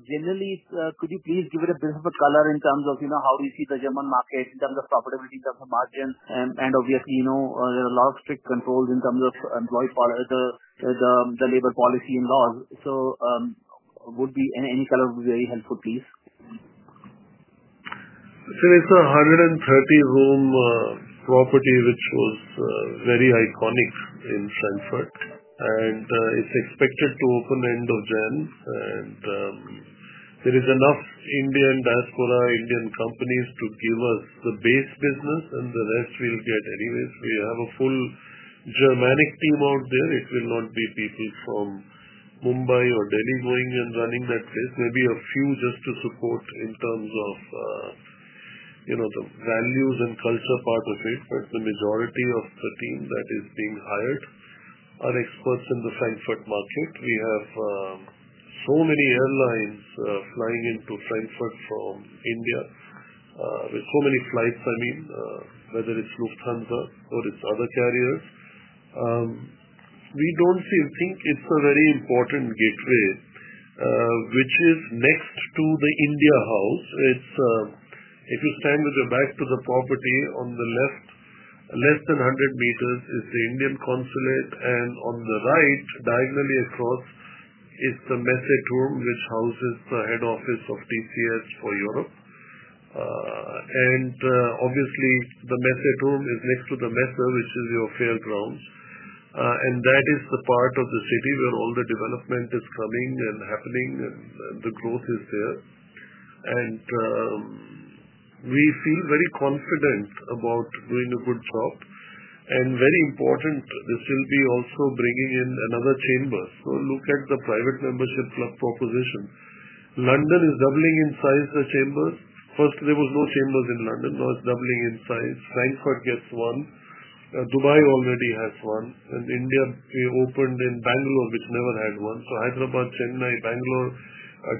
generally, could you please give it a bit of a color in terms of how do you see the German market in terms of profitability, in terms of margin? And obviously, there are a lot of strict controls in terms of labor policy and laws. So any color would be very helpful, please. So it's a 130-room property which was very iconic in Frankfurt. And it's expected to open end of January. And there is enough Indian diaspora, Indian companies to give us the base business, and the rest we'll get anyways. We have a full Germanic team out there. It will not be people from Mumbai or Delhi going and running that place. Maybe a few just to support in terms of the values and culture part of it. But the majority of the team that is being hired are experts in the Frankfurt market. We have so many airlines flying into Frankfurt from India. With so many flights, I mean, whether it's Lufthansa or it's other carriers. We don't think it's a very important gateway. Which is next to the India house. If you stand with your back to the property, on the left, less than 100 m is the Indian consulate. And on the right, diagonally across, is the Messe Turm, which houses the head office of TCS for Europe. And obviously, the Messe Turm is next to the Messe, which is your fairgrounds. And that is the part of the city where all the development is coming and happening, and the growth is there. And we feel very confident about doing a good job. And very important, they still be also bringing in another Chambers. So look at the private membership club proposition. London is doubling in size, the Chambers. First, there was no Chambers in London. Now it's doubling in size. Frankfurt gets one. Dubai already has one. And India, we opened in Bangalore, which never had one. So Hyderabad, Chennai, Bangalore,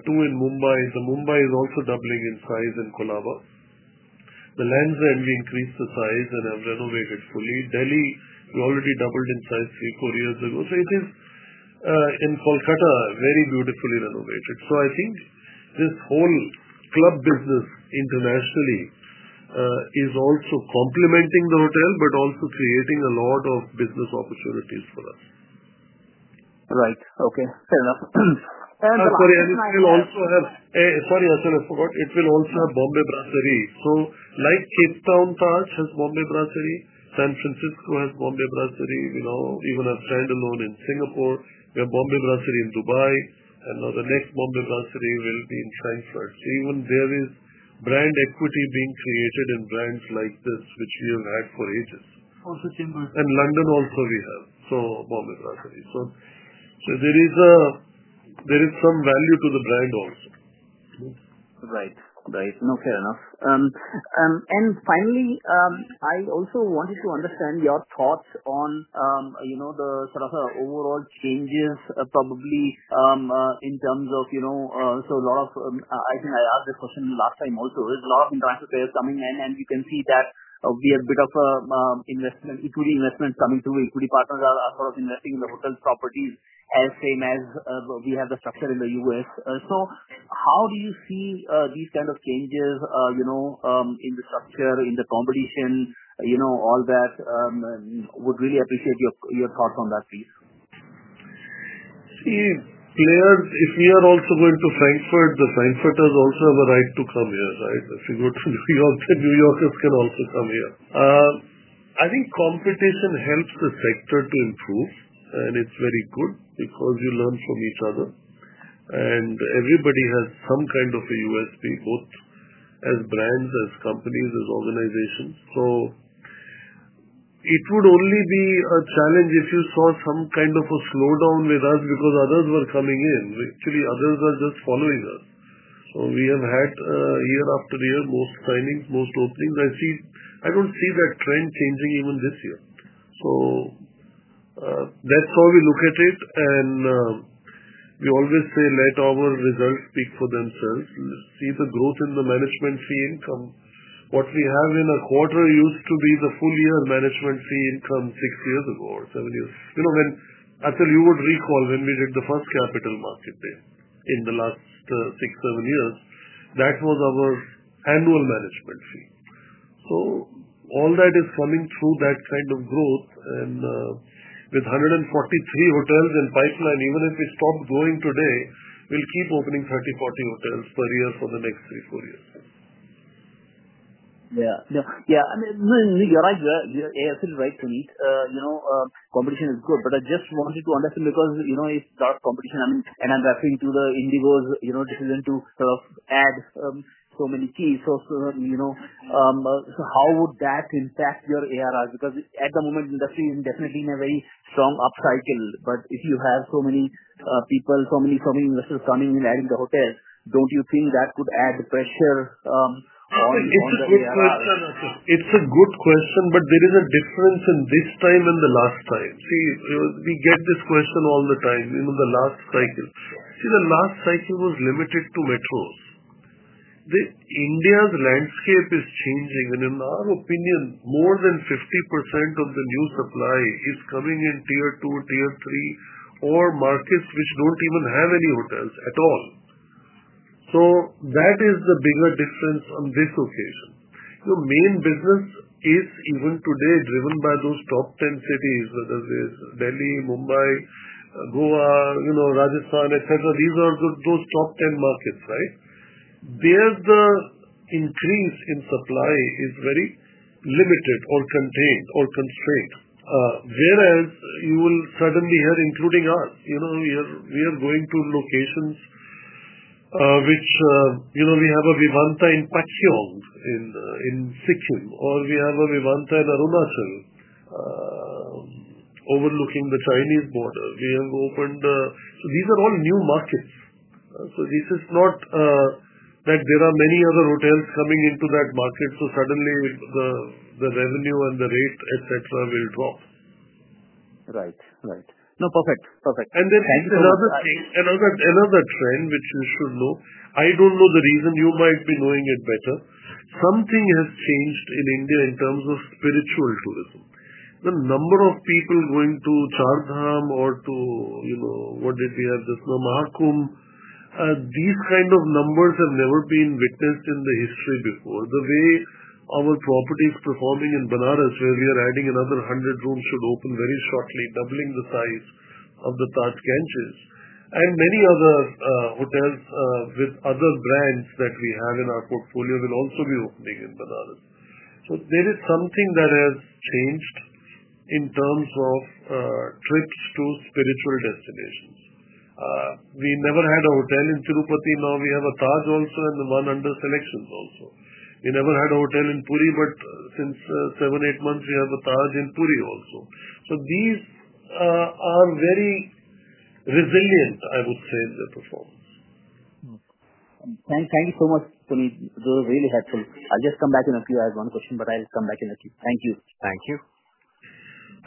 two in Mumbai. The Mumbai is also doubling in size in Colaba. The Taj, and we increased the size and have renovated fully. Delhi, we already doubled in size three, four years ago. So it is in Kolkata, very beautifully renovated. So I think this whole club business internationally is also complementing the hotel but also creating a lot of business opportunities for us. Right. Okay. Fair enough. And sorry, and it will also have, sorry, Aashil, I forgot, it will also have Bombay Brasserie. So like Cape Town Taj has Bombay Brasserie, San Francisco has Bombay Brasserie. We're going to stand alone in Singapore. We have Bombay Brasserie in Dubai. And now the next Bombay Brasserie will be in Frankfurt. So even there is brand equity being created in brands like this, which we have had for ages. Also, Chambers. And London also we have Bombay Brasserie. So there is some value to the brand also. Right. Right. No, fair enough. And finally, I also wanted to understand your thoughts on. The sort of overall changes, probably. In terms of—so a lot of—I think I asked this question last time also. There's a lot of international players coming in, and you can see that we have a bit of equity investments coming through. Equity partners are sort of investing in the hotel properties as same as we have the structure in the US. So how do you see these kind of changes. In the structure, in the competition, all that? Would really appreciate your thoughts on that, please. See, players, if we are also going to Frankfurt, the Frankfurters also have a right to come here, right? If you go to New York, the New Yorkers can also come here. I think competition helps the sector to improve, and it's very good because you learn from each other. And everybody has some kind of a USP, both as brands, as companies, as organizations. So. It would only be a challenge if you saw some kind of a slowdown with us because others were coming in. Actually, others are just following us. So we have had year after year most signings, most openings. I don't see that trend changing even this year. So. That's how we look at it. And. We always say, "Let our results speak for themselves." See the growth in the management fee income. What we have in a quarter used to be the full year management fee income six years ago or seven years. Aashil, you would recall when we did the first capital market day in the last six, seven years, that was our annual management fee. So all that is coming through that kind of growth. And with 143 hotels in pipeline, even if we stopped growing today, we'll keep opening 30, 40 hotels per year for the next three, four years. Yeah. Yeah. I mean, you're right there. Aashil's right, Puneet. Competition is good. But I just wanted to understand because it's tough competition. And I'm referring to the IndiGo's decision to sort of add so many keys. So. How would that impact your ARIs? Because at the moment, the industry is definitely in a very strong up cycle. But if you have so many people, so many investors coming in, adding the hotels, don't you think that could add pressure. On the? It's a good question. But there is a difference in this time and the last time. See, we get this question all the time. The last cycle. See, the last cycle was limited to metros. India's landscape is changing. And in our opinion, more than 50% of the new supply is coming in tier two, tier three, or markets which don't even have any hotels at all. So that is the bigger difference on this occasion. Main business is even today driven by those top 10 cities, whether it's Delhi, Mumbai, Goa, Rajasthan, etc. These are those top 10 markets, right? There, the increase in supply is very limited or contained or constrained. Whereas you will suddenly hear, including us. We are going to locations. Which we have a Vivanta in Pakyong in Sikkim, or we have a Vivanta in Arunachal. Overlooking the Chinese border. We have opened—so these are all new markets. So this is not. That there are many other hotels coming into that market, so suddenly the revenue and the rate, etc., will drop. Right. Right. No, perfect. Perfect. Thank you. And then another trend, which you should know—I don't know the reason; you might be knowing it better—something has changed in India in terms of spiritual tourism. The number of people going to Chardham or to—what did we have this—Mahakum. These kind of numbers have never been witnessed in the history before. The way our properties performing in Benares, where we are adding another 100 rooms, should open very shortly, doubling the size of the Taj Ganges. And many other hotels with other brands that we have in our portfolio will also be opening in Benares. So there is something that has changed in terms of. Trips to spiritual destinations. We never had a hotel in Tirupati. Now we have a Taj also and the one under selections also. We never had a hotel in Puri, but since seven, eight months, we have a Taj in Puri also. So these. Are very. Resilient, I would say, in their performance. Thank you so much, Puneet. Those are really helpful. I'll just come back in a few—I have one question, but I'll come back in a few. Thank you. Thank you.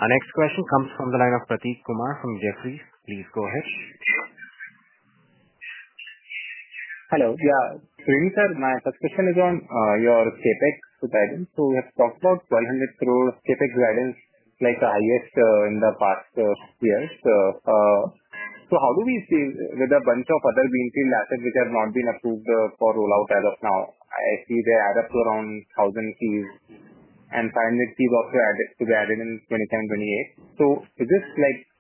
Our next question comes from the line of Prateek Kumar from Jefferies. Please go ahead. Hello. Yeah. Puneet, my first question is on your CapEx guidance. So we have talked about 1,200 crore CapEx guidance, like the highest in the past years. So how do we see with a bunch of other greenfield assets which have not been approved for rollout as of now? I see they add up to around 1,000 keys, and 500 keys also added to be added in 2027, 2028. So is this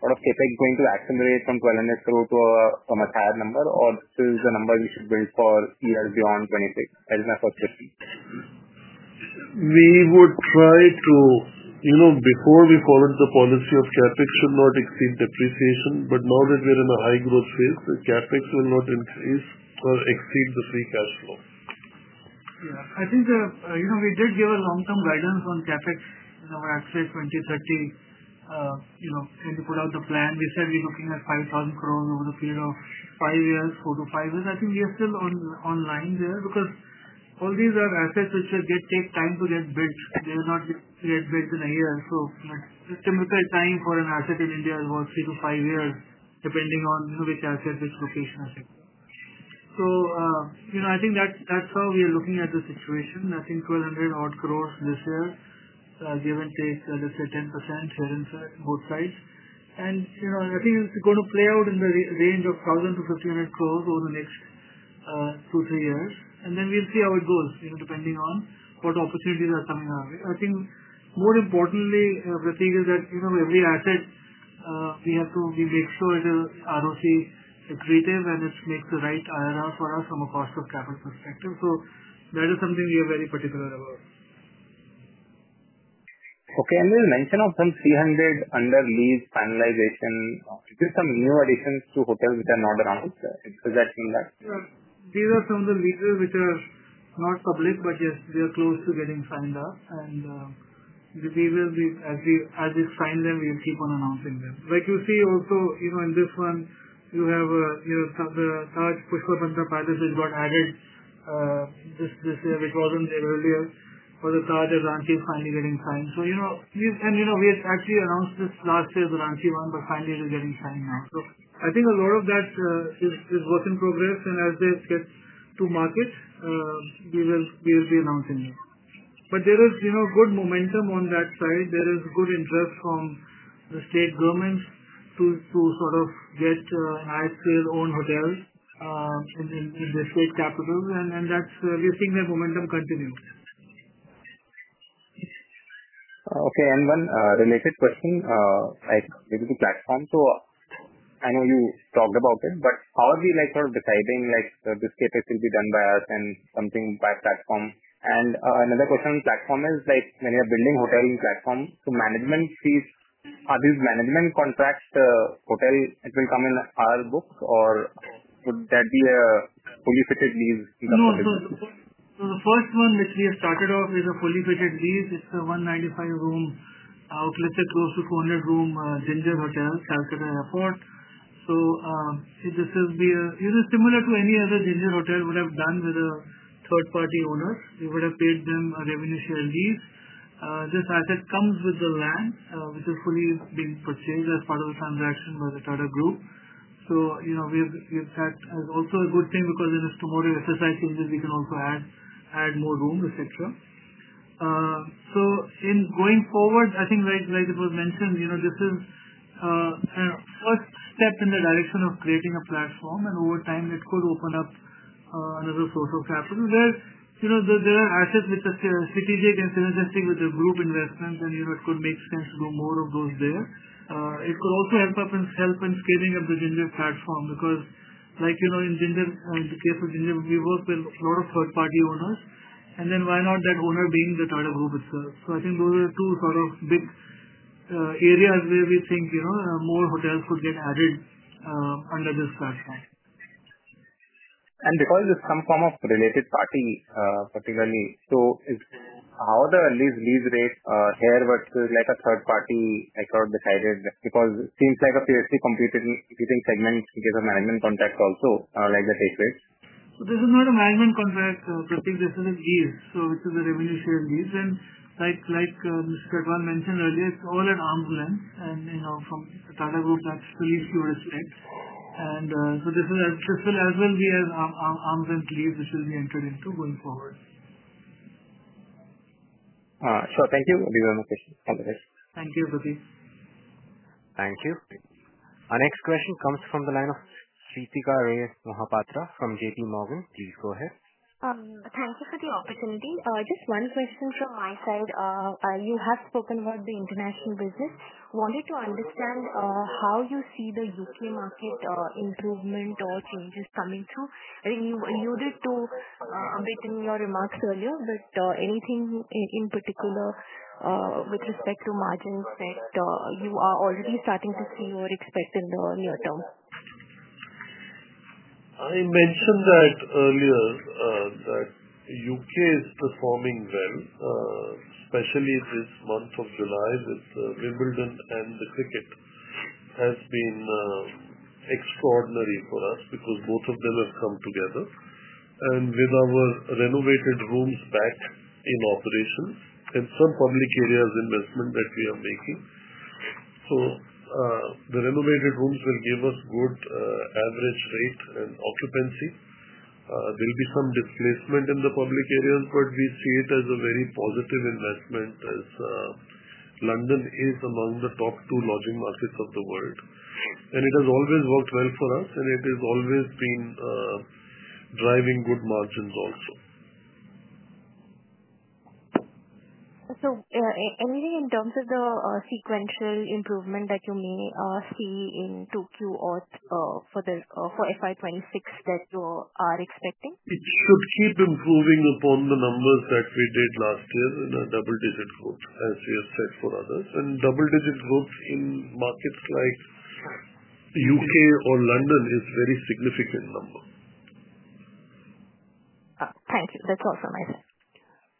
sort of CapEx going to accelerate from 1,200 crore to a much higher number, or is this the number we should build for years beyond 2026? That is my first question. We would try to—before we followed the policy of CapEx should not exceed depreciation. But now that we are in a high growth phase, the CapEx will not increase or exceed the free cash flow. Yeah. I think we did give a long-term guidance on CapEx in our Accelerate 2030. When we put out the plan, we said we're looking at 5,000 crores over the period of four to five years. I think we are still on line there because all these are assets which take time to get built. They will not get built in a year. So the typical time for an asset in India is about three to five years, depending on which asset, which location, etc. So I think that's how we are looking at the situation. I think 1,200 odd crore this year, give and take, let's say, 10% here and there, both sides. And I think it's going to play out in the range of 1,000-1,500 crore over the next two, three years. And then we'll see how it goes, depending on what opportunities are coming our way. I think more importantly, Prateek, is that every asset, we have to make sure it is ROIC-accretive, and it makes the right IRR for us from a cost of capital perspective. So that is something we are very particular about. Okay. And you mentioned of some 300 under lease finalization. Is this some new additions to hotels which are not around? Does that mean that? Yeah. These are some of the leases which are not public, but yes, we are close to getting signed up. And as we sign them, we will keep on announcing them. But you see also in this one, you have the Taj Pushkar Palace which got added this year, which wasn't there earlier, but the Taj in Ranchi is finally getting signed. And we had actually announced this last year, the Ranchi one, but finally, it is getting signed now. So I think a lot of that is work in progress. And as they get to market, we will be announcing it. But there is good momentum on that side. There is good interest from the state governments to sort of get IHCL-owned hotels in the state capital. And we are seeing that momentum continue. Okay. And one related question related to platform. So I know you talked about it, but how are we sort of deciding this CapEx will be done by us and something by platform? And another question on platform is when you're building hotel in platform, so management fees, are these management contracts the hotel it will come in our books, or would that be a fully fitted lease in the hotel? So the first one which we have started off is a fully fitted lease. It's a 195-room hotel close to a 200-room Ginger hotel, Kolkata Airport. So this will be similar to any other Ginger hotel would have done with a third-party owner. We would have paid them a revenue share lease. This asset comes with the land, which is fully being purchased as part of the transaction by the Tata Group. So we have that as also a good thing because if tomorrow FSI changes, we can also add more room, etc. So in going forward, I think, like it was mentioned, this is a first step in the direction of creating a platform. And over time, it could open up another source of capital. There are assets which are strategic and synergistic with the group investments, and it could make sense to do more of those there. It could also help in scaling up the Ginger platform because, like in the case of Ginger, we work with a lot of third-party owners. And then why not that owner being the Tata Group itself? So I think those are two sort of big areas where we think more hotels could get added under this platform. And because there's some form of related party, particularly, so how are the lease rates here versus a third-party sort of decided? Because it seems like a fiercely competing segment because of management contracts also, like the Takeaways. So this is not a management contract, Prateek. This is a lease, which is a revenue share lease. And like Mr. Chhatwal mentioned earlier, it's all at arm's length. And from the Tata Group, that's the lease you would expect. And so this will as well be an arm's length lease which will be entered into going forward. Sure. Thank you. These are my questions. Have a nice day. Thank you, Prateek. Thank you. Our next question comes from the line of Sreetama R. Mohapatra from J,P. Morgan. Please go ahead. Thank you for the opportunity. Just one question from my side. You have spoken about the international business. Wanted to understand how you see the U.K. market improvement or changes coming through. I think you alluded to a bit in your remarks earlier, but anything in particular with respect to margins that you are already starting to see or expect in the near term? I mentioned that earlier, that U.K. is performing well. Especially this month of July with Wimbledon and the cricket has been extraordinary for us because both of them have come together. And with our renovated rooms back in operation and some public areas investment that we are making. So the renovated rooms will give us good average rate and occupancy. There will be some displacement in the public areas, but we see it as a very positive investment as London is among the top two lodging markets of the world. And it has always worked well for us, and it has always been driving good margins also. So anything in terms of the sequential improvement that you may see in 2Q or FY 2026 that you are expecting? It should keep improving upon the numbers that we did last year in a double-digit growth, as we have said for others. And double-digit growth in markets like U.K. or London is a very significant number. Thank you. That's also my side.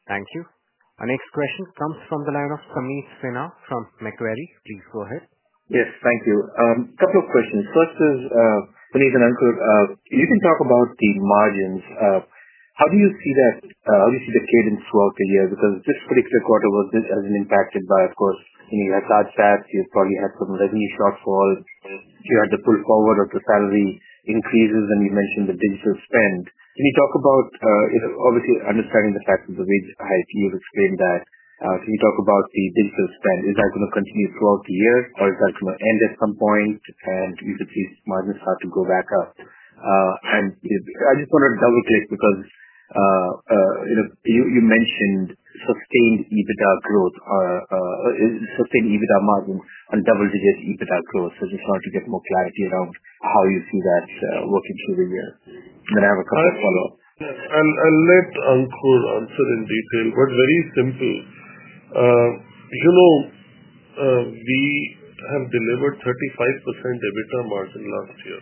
Thank you. Our next question comes from the line of Amit Sinha from Macquarie.A Please go ahead. Yes. Thank you. A couple of questions. First is, Puneet and Ankur, you can talk about the margins. How do you see that? How do you see the cadence throughout the year? Because this particular quarter wasn't as impacted by, of course, you had large stats. You probably had some revenue shortfall. You had the pull forward of the salary increases, and you mentioned the digital spend. Can you talk about. Obviously understanding the fact that the wage hike, you've explained that? Can you talk about the digital spend? Is that going to continue throughout the year, or is that going to end at some point, and you could see margins start to go back up? And I just want to double-click because. You mentioned sustained EBITDA growth. Sustained EBITDA margins and double-digit EBITDA growth. So I just wanted to get more clarity around how you see that working through the year. And then I have a couple of follow-ups. I'll let Ankur answer in detail, but very simply. We have delivered 35% EBITDA margin last year.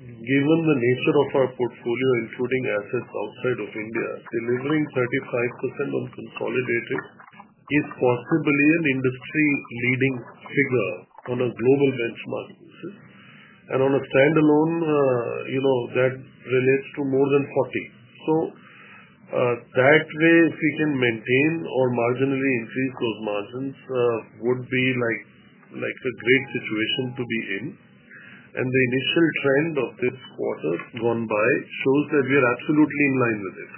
Given the nature of our portfolio, including assets outside of India, delivering 35% on consolidated is possibly an industry-leading figure on a global benchmark basis. And on a standalone. That relates to more than 40%. So. That way, if we can maintain or marginally increase those margins, would be like a great situation to be in. And the initial trend of this quarter gone by shows that we are absolutely in line with it.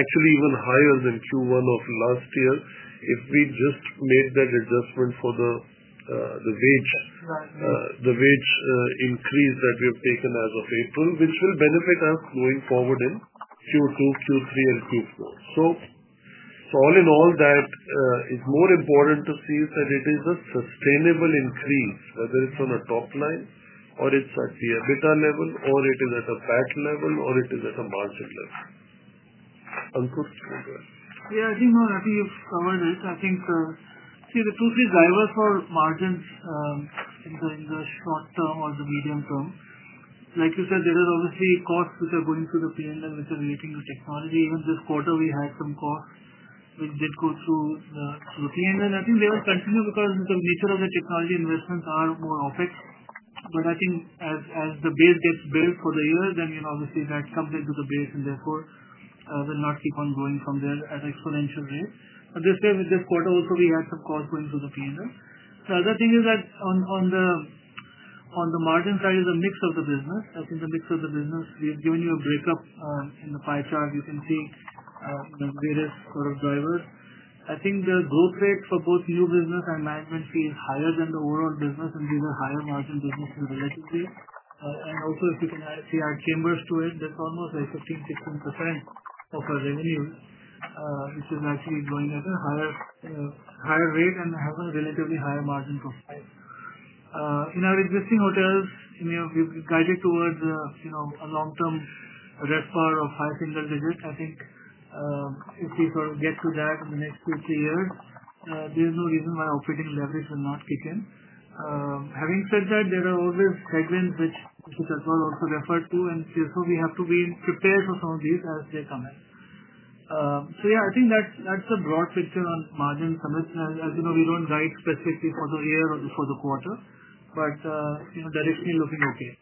Actually, even higher than Q1 of last year if we just made that adjustment for the wage increase that we have taken as of April, which will benefit us going forward in Q2, Q3, and Q4. So. All in all, that is more important to see that it is a sustainable increase, whether it's on a top line, or it's at the EBITDA level, or it is at a PAT level, or it is at a margin level. Ankur, go ahead. Yeah. I think, no, I think you've covered it. I think. See, the two-three drivers for margins. In the short term or the medium term. Like you said, there are obviously costs which are going through the P&L, which are relating to technology. Even this quarter, we had some costs which did go through. The P&L. I think they will continue because the nature of the technology investments are more OpEx. But I think as the base gets built for the year, then obviously that comes into the base and therefore will not keep on growing from there at an exponential rate. But this year, with this quarter also, we had some costs going through the P&L. The other thing is that on the margin side is a mix of the business. I think the mix of the business, we have given you a breakup in the pie chart. You can see. Various sort of drivers. I think the growth rate for both new business and management fee is higher than the overall business, and these are higher-margin businesses relatively. And also, if you can see our Chambers too, that's almost like 15%-16% of our revenue, which is actually growing at a higher rate and has a relatively higher margin profile. In our existing hotels, we've guided towards a long-term RevPAR of high single digits. I think if we sort of get to that in the next two-three years, there is no reason why operating leverage will not kick in. Having said that, there are always segments which Chhatwal also referred to. And so we have to be prepared for some of these as they come in. So yeah, I think that's the broad picture on margins. As you know, we don't guide specifically for the year or for the quarter, but directionally looking okay.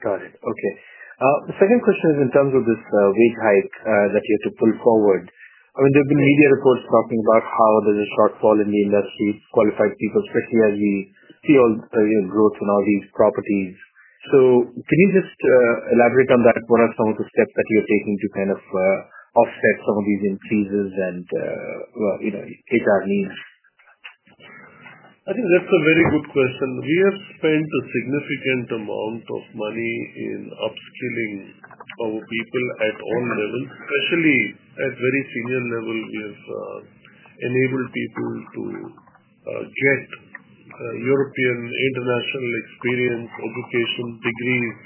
Got it. Okay. The second question is in terms of this wage hike that you had to pull forward. I mean, there have been media reports talking about how there's a shortfall in the industry, qualified people, especially as we see all the growth in all these properties. So can you just elaborate on that? What are some of the steps that you're taking to kind of offset some of these increases and HR needs? I think that's a very good question. We have spent a significant amount of money in upskilling our people at all levels, especially at very senior level. We have enabled people to get European, international experience, education, degrees.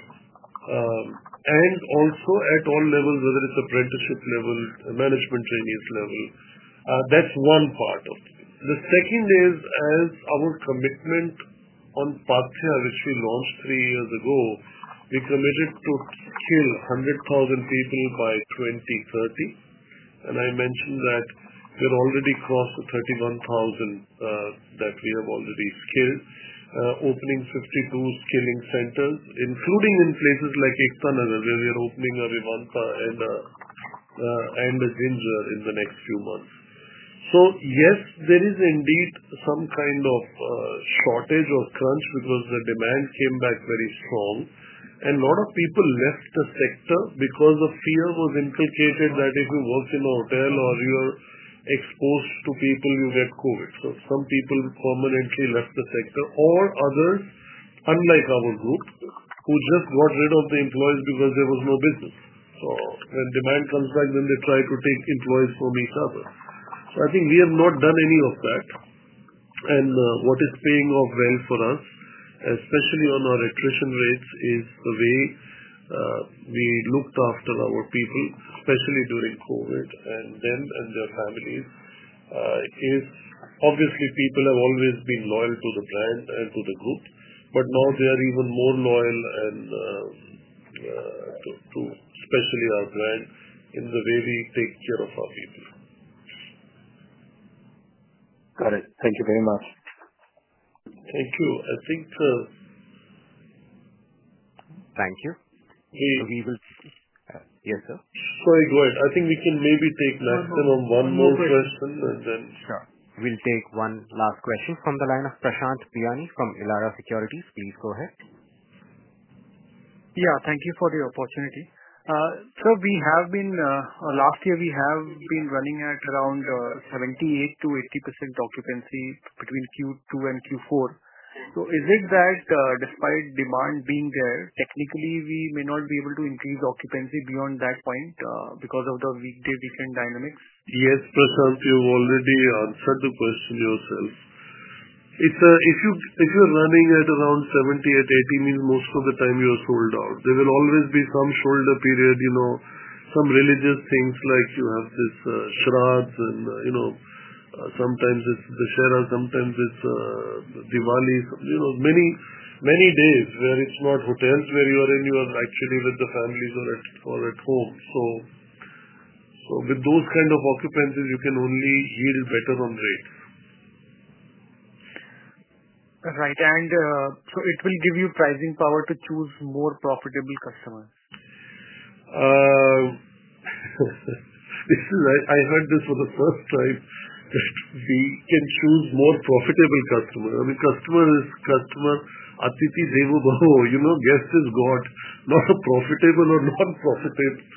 And also at all levels, whether it's apprenticeship level, management trainees level. That's one part of it. The second is, as our commitment on Pathya, which we launched three years ago, we committed to skill 100,000 people by 2030. And I mentioned that we're already close to 31,000 that we have already skilled, opening 52 skilling centers, including in places like Ikhwanagar, where we are opening a Vivanta and a Ginger in the next few months. So yes, there is indeed some kind of shortage or crunch because the demand came back very strong. And a lot of people left the sector because the fear was implicated that if you work in a hotel or you're exposed to people, you get COVID. So some people permanently left the sector, or others, unlike our group, who just got rid of the employees because there was no business. So when demand comes back, then they try to take employees from each other. So I think we have not done any of that. And what is paying off well for us, especially on our attrition rates, is the way we looked after our people, especially during COVID, and them and their families. Obviously, people have always been loyal to the brand and to the group, but now they are even more loyal. Especially our brand in the way we take care of our people. Got it. Thank you very much. Thank you. I think. Thank you. We will. Yes, sir? Sorry, go ahead. I think we can maybe take maximum one more question, and then. Sure. We'll take one last question from the line of Prashant Biyani from Elara Securities. Please go ahead. Yeah. Thank you for the opportunity. So last year, we have been running at around 78%-80% occupancy between Q2 and Q4. So is it that despite demand being there, technically, we may not be able to increase occupancy beyond that point because of the weekday-weekend dynamics? Yes, Prashant, you've already answered the question yourself. If you're running at around 70% at 80%, it means most of the time you are sold out. There will always be some shoulder period. Some religious things like you have this Shraddh and. Sometimes it's the Shahraz, sometimes it's Diwali. Many days where it's not hotels where you are in, you are actually with the families or at home. So. With those kinds of occupancies, you can only yield better on rates. Right. And so it will give you pricing power to choose more profitable customers? I heard this for the first time, that we can choose more profitable customers. I mean, customer is customer, Atithi Devo Bhava. Guest is God, not profitable or non-profitable.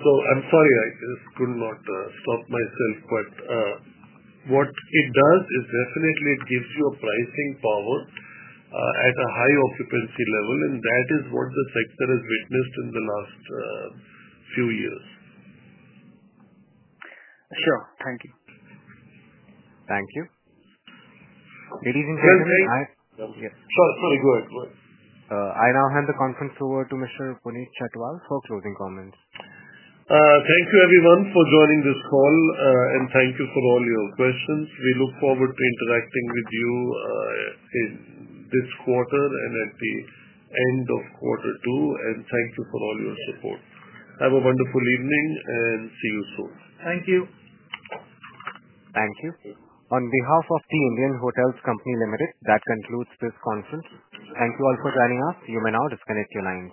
So I'm sorry, I just could not stop myself. But. What it does is definitely it gives you a pricing power. At a high occupancy level, and that is what the sector has witnessed in the last. Few years. Sure. Thank you. Thank you. Ladies and gentlemen, I. Sorry. Sorry. Go ahead. Go ahead. I now hand the conference over to Mr. Puneet Chhatwal for closing comments. Thank you, everyone, for joining this call, and thank you for all your questions. We look forward to interacting with you. This quarter and at the end of quarter two, and thank you for all your support. Have a wonderful evening and see you soon. Thank you. Thank you. On behalf of The Indian Hotels Company Limited, that concludes this conference. Thank you all for joining us. You may now disconnect your lines.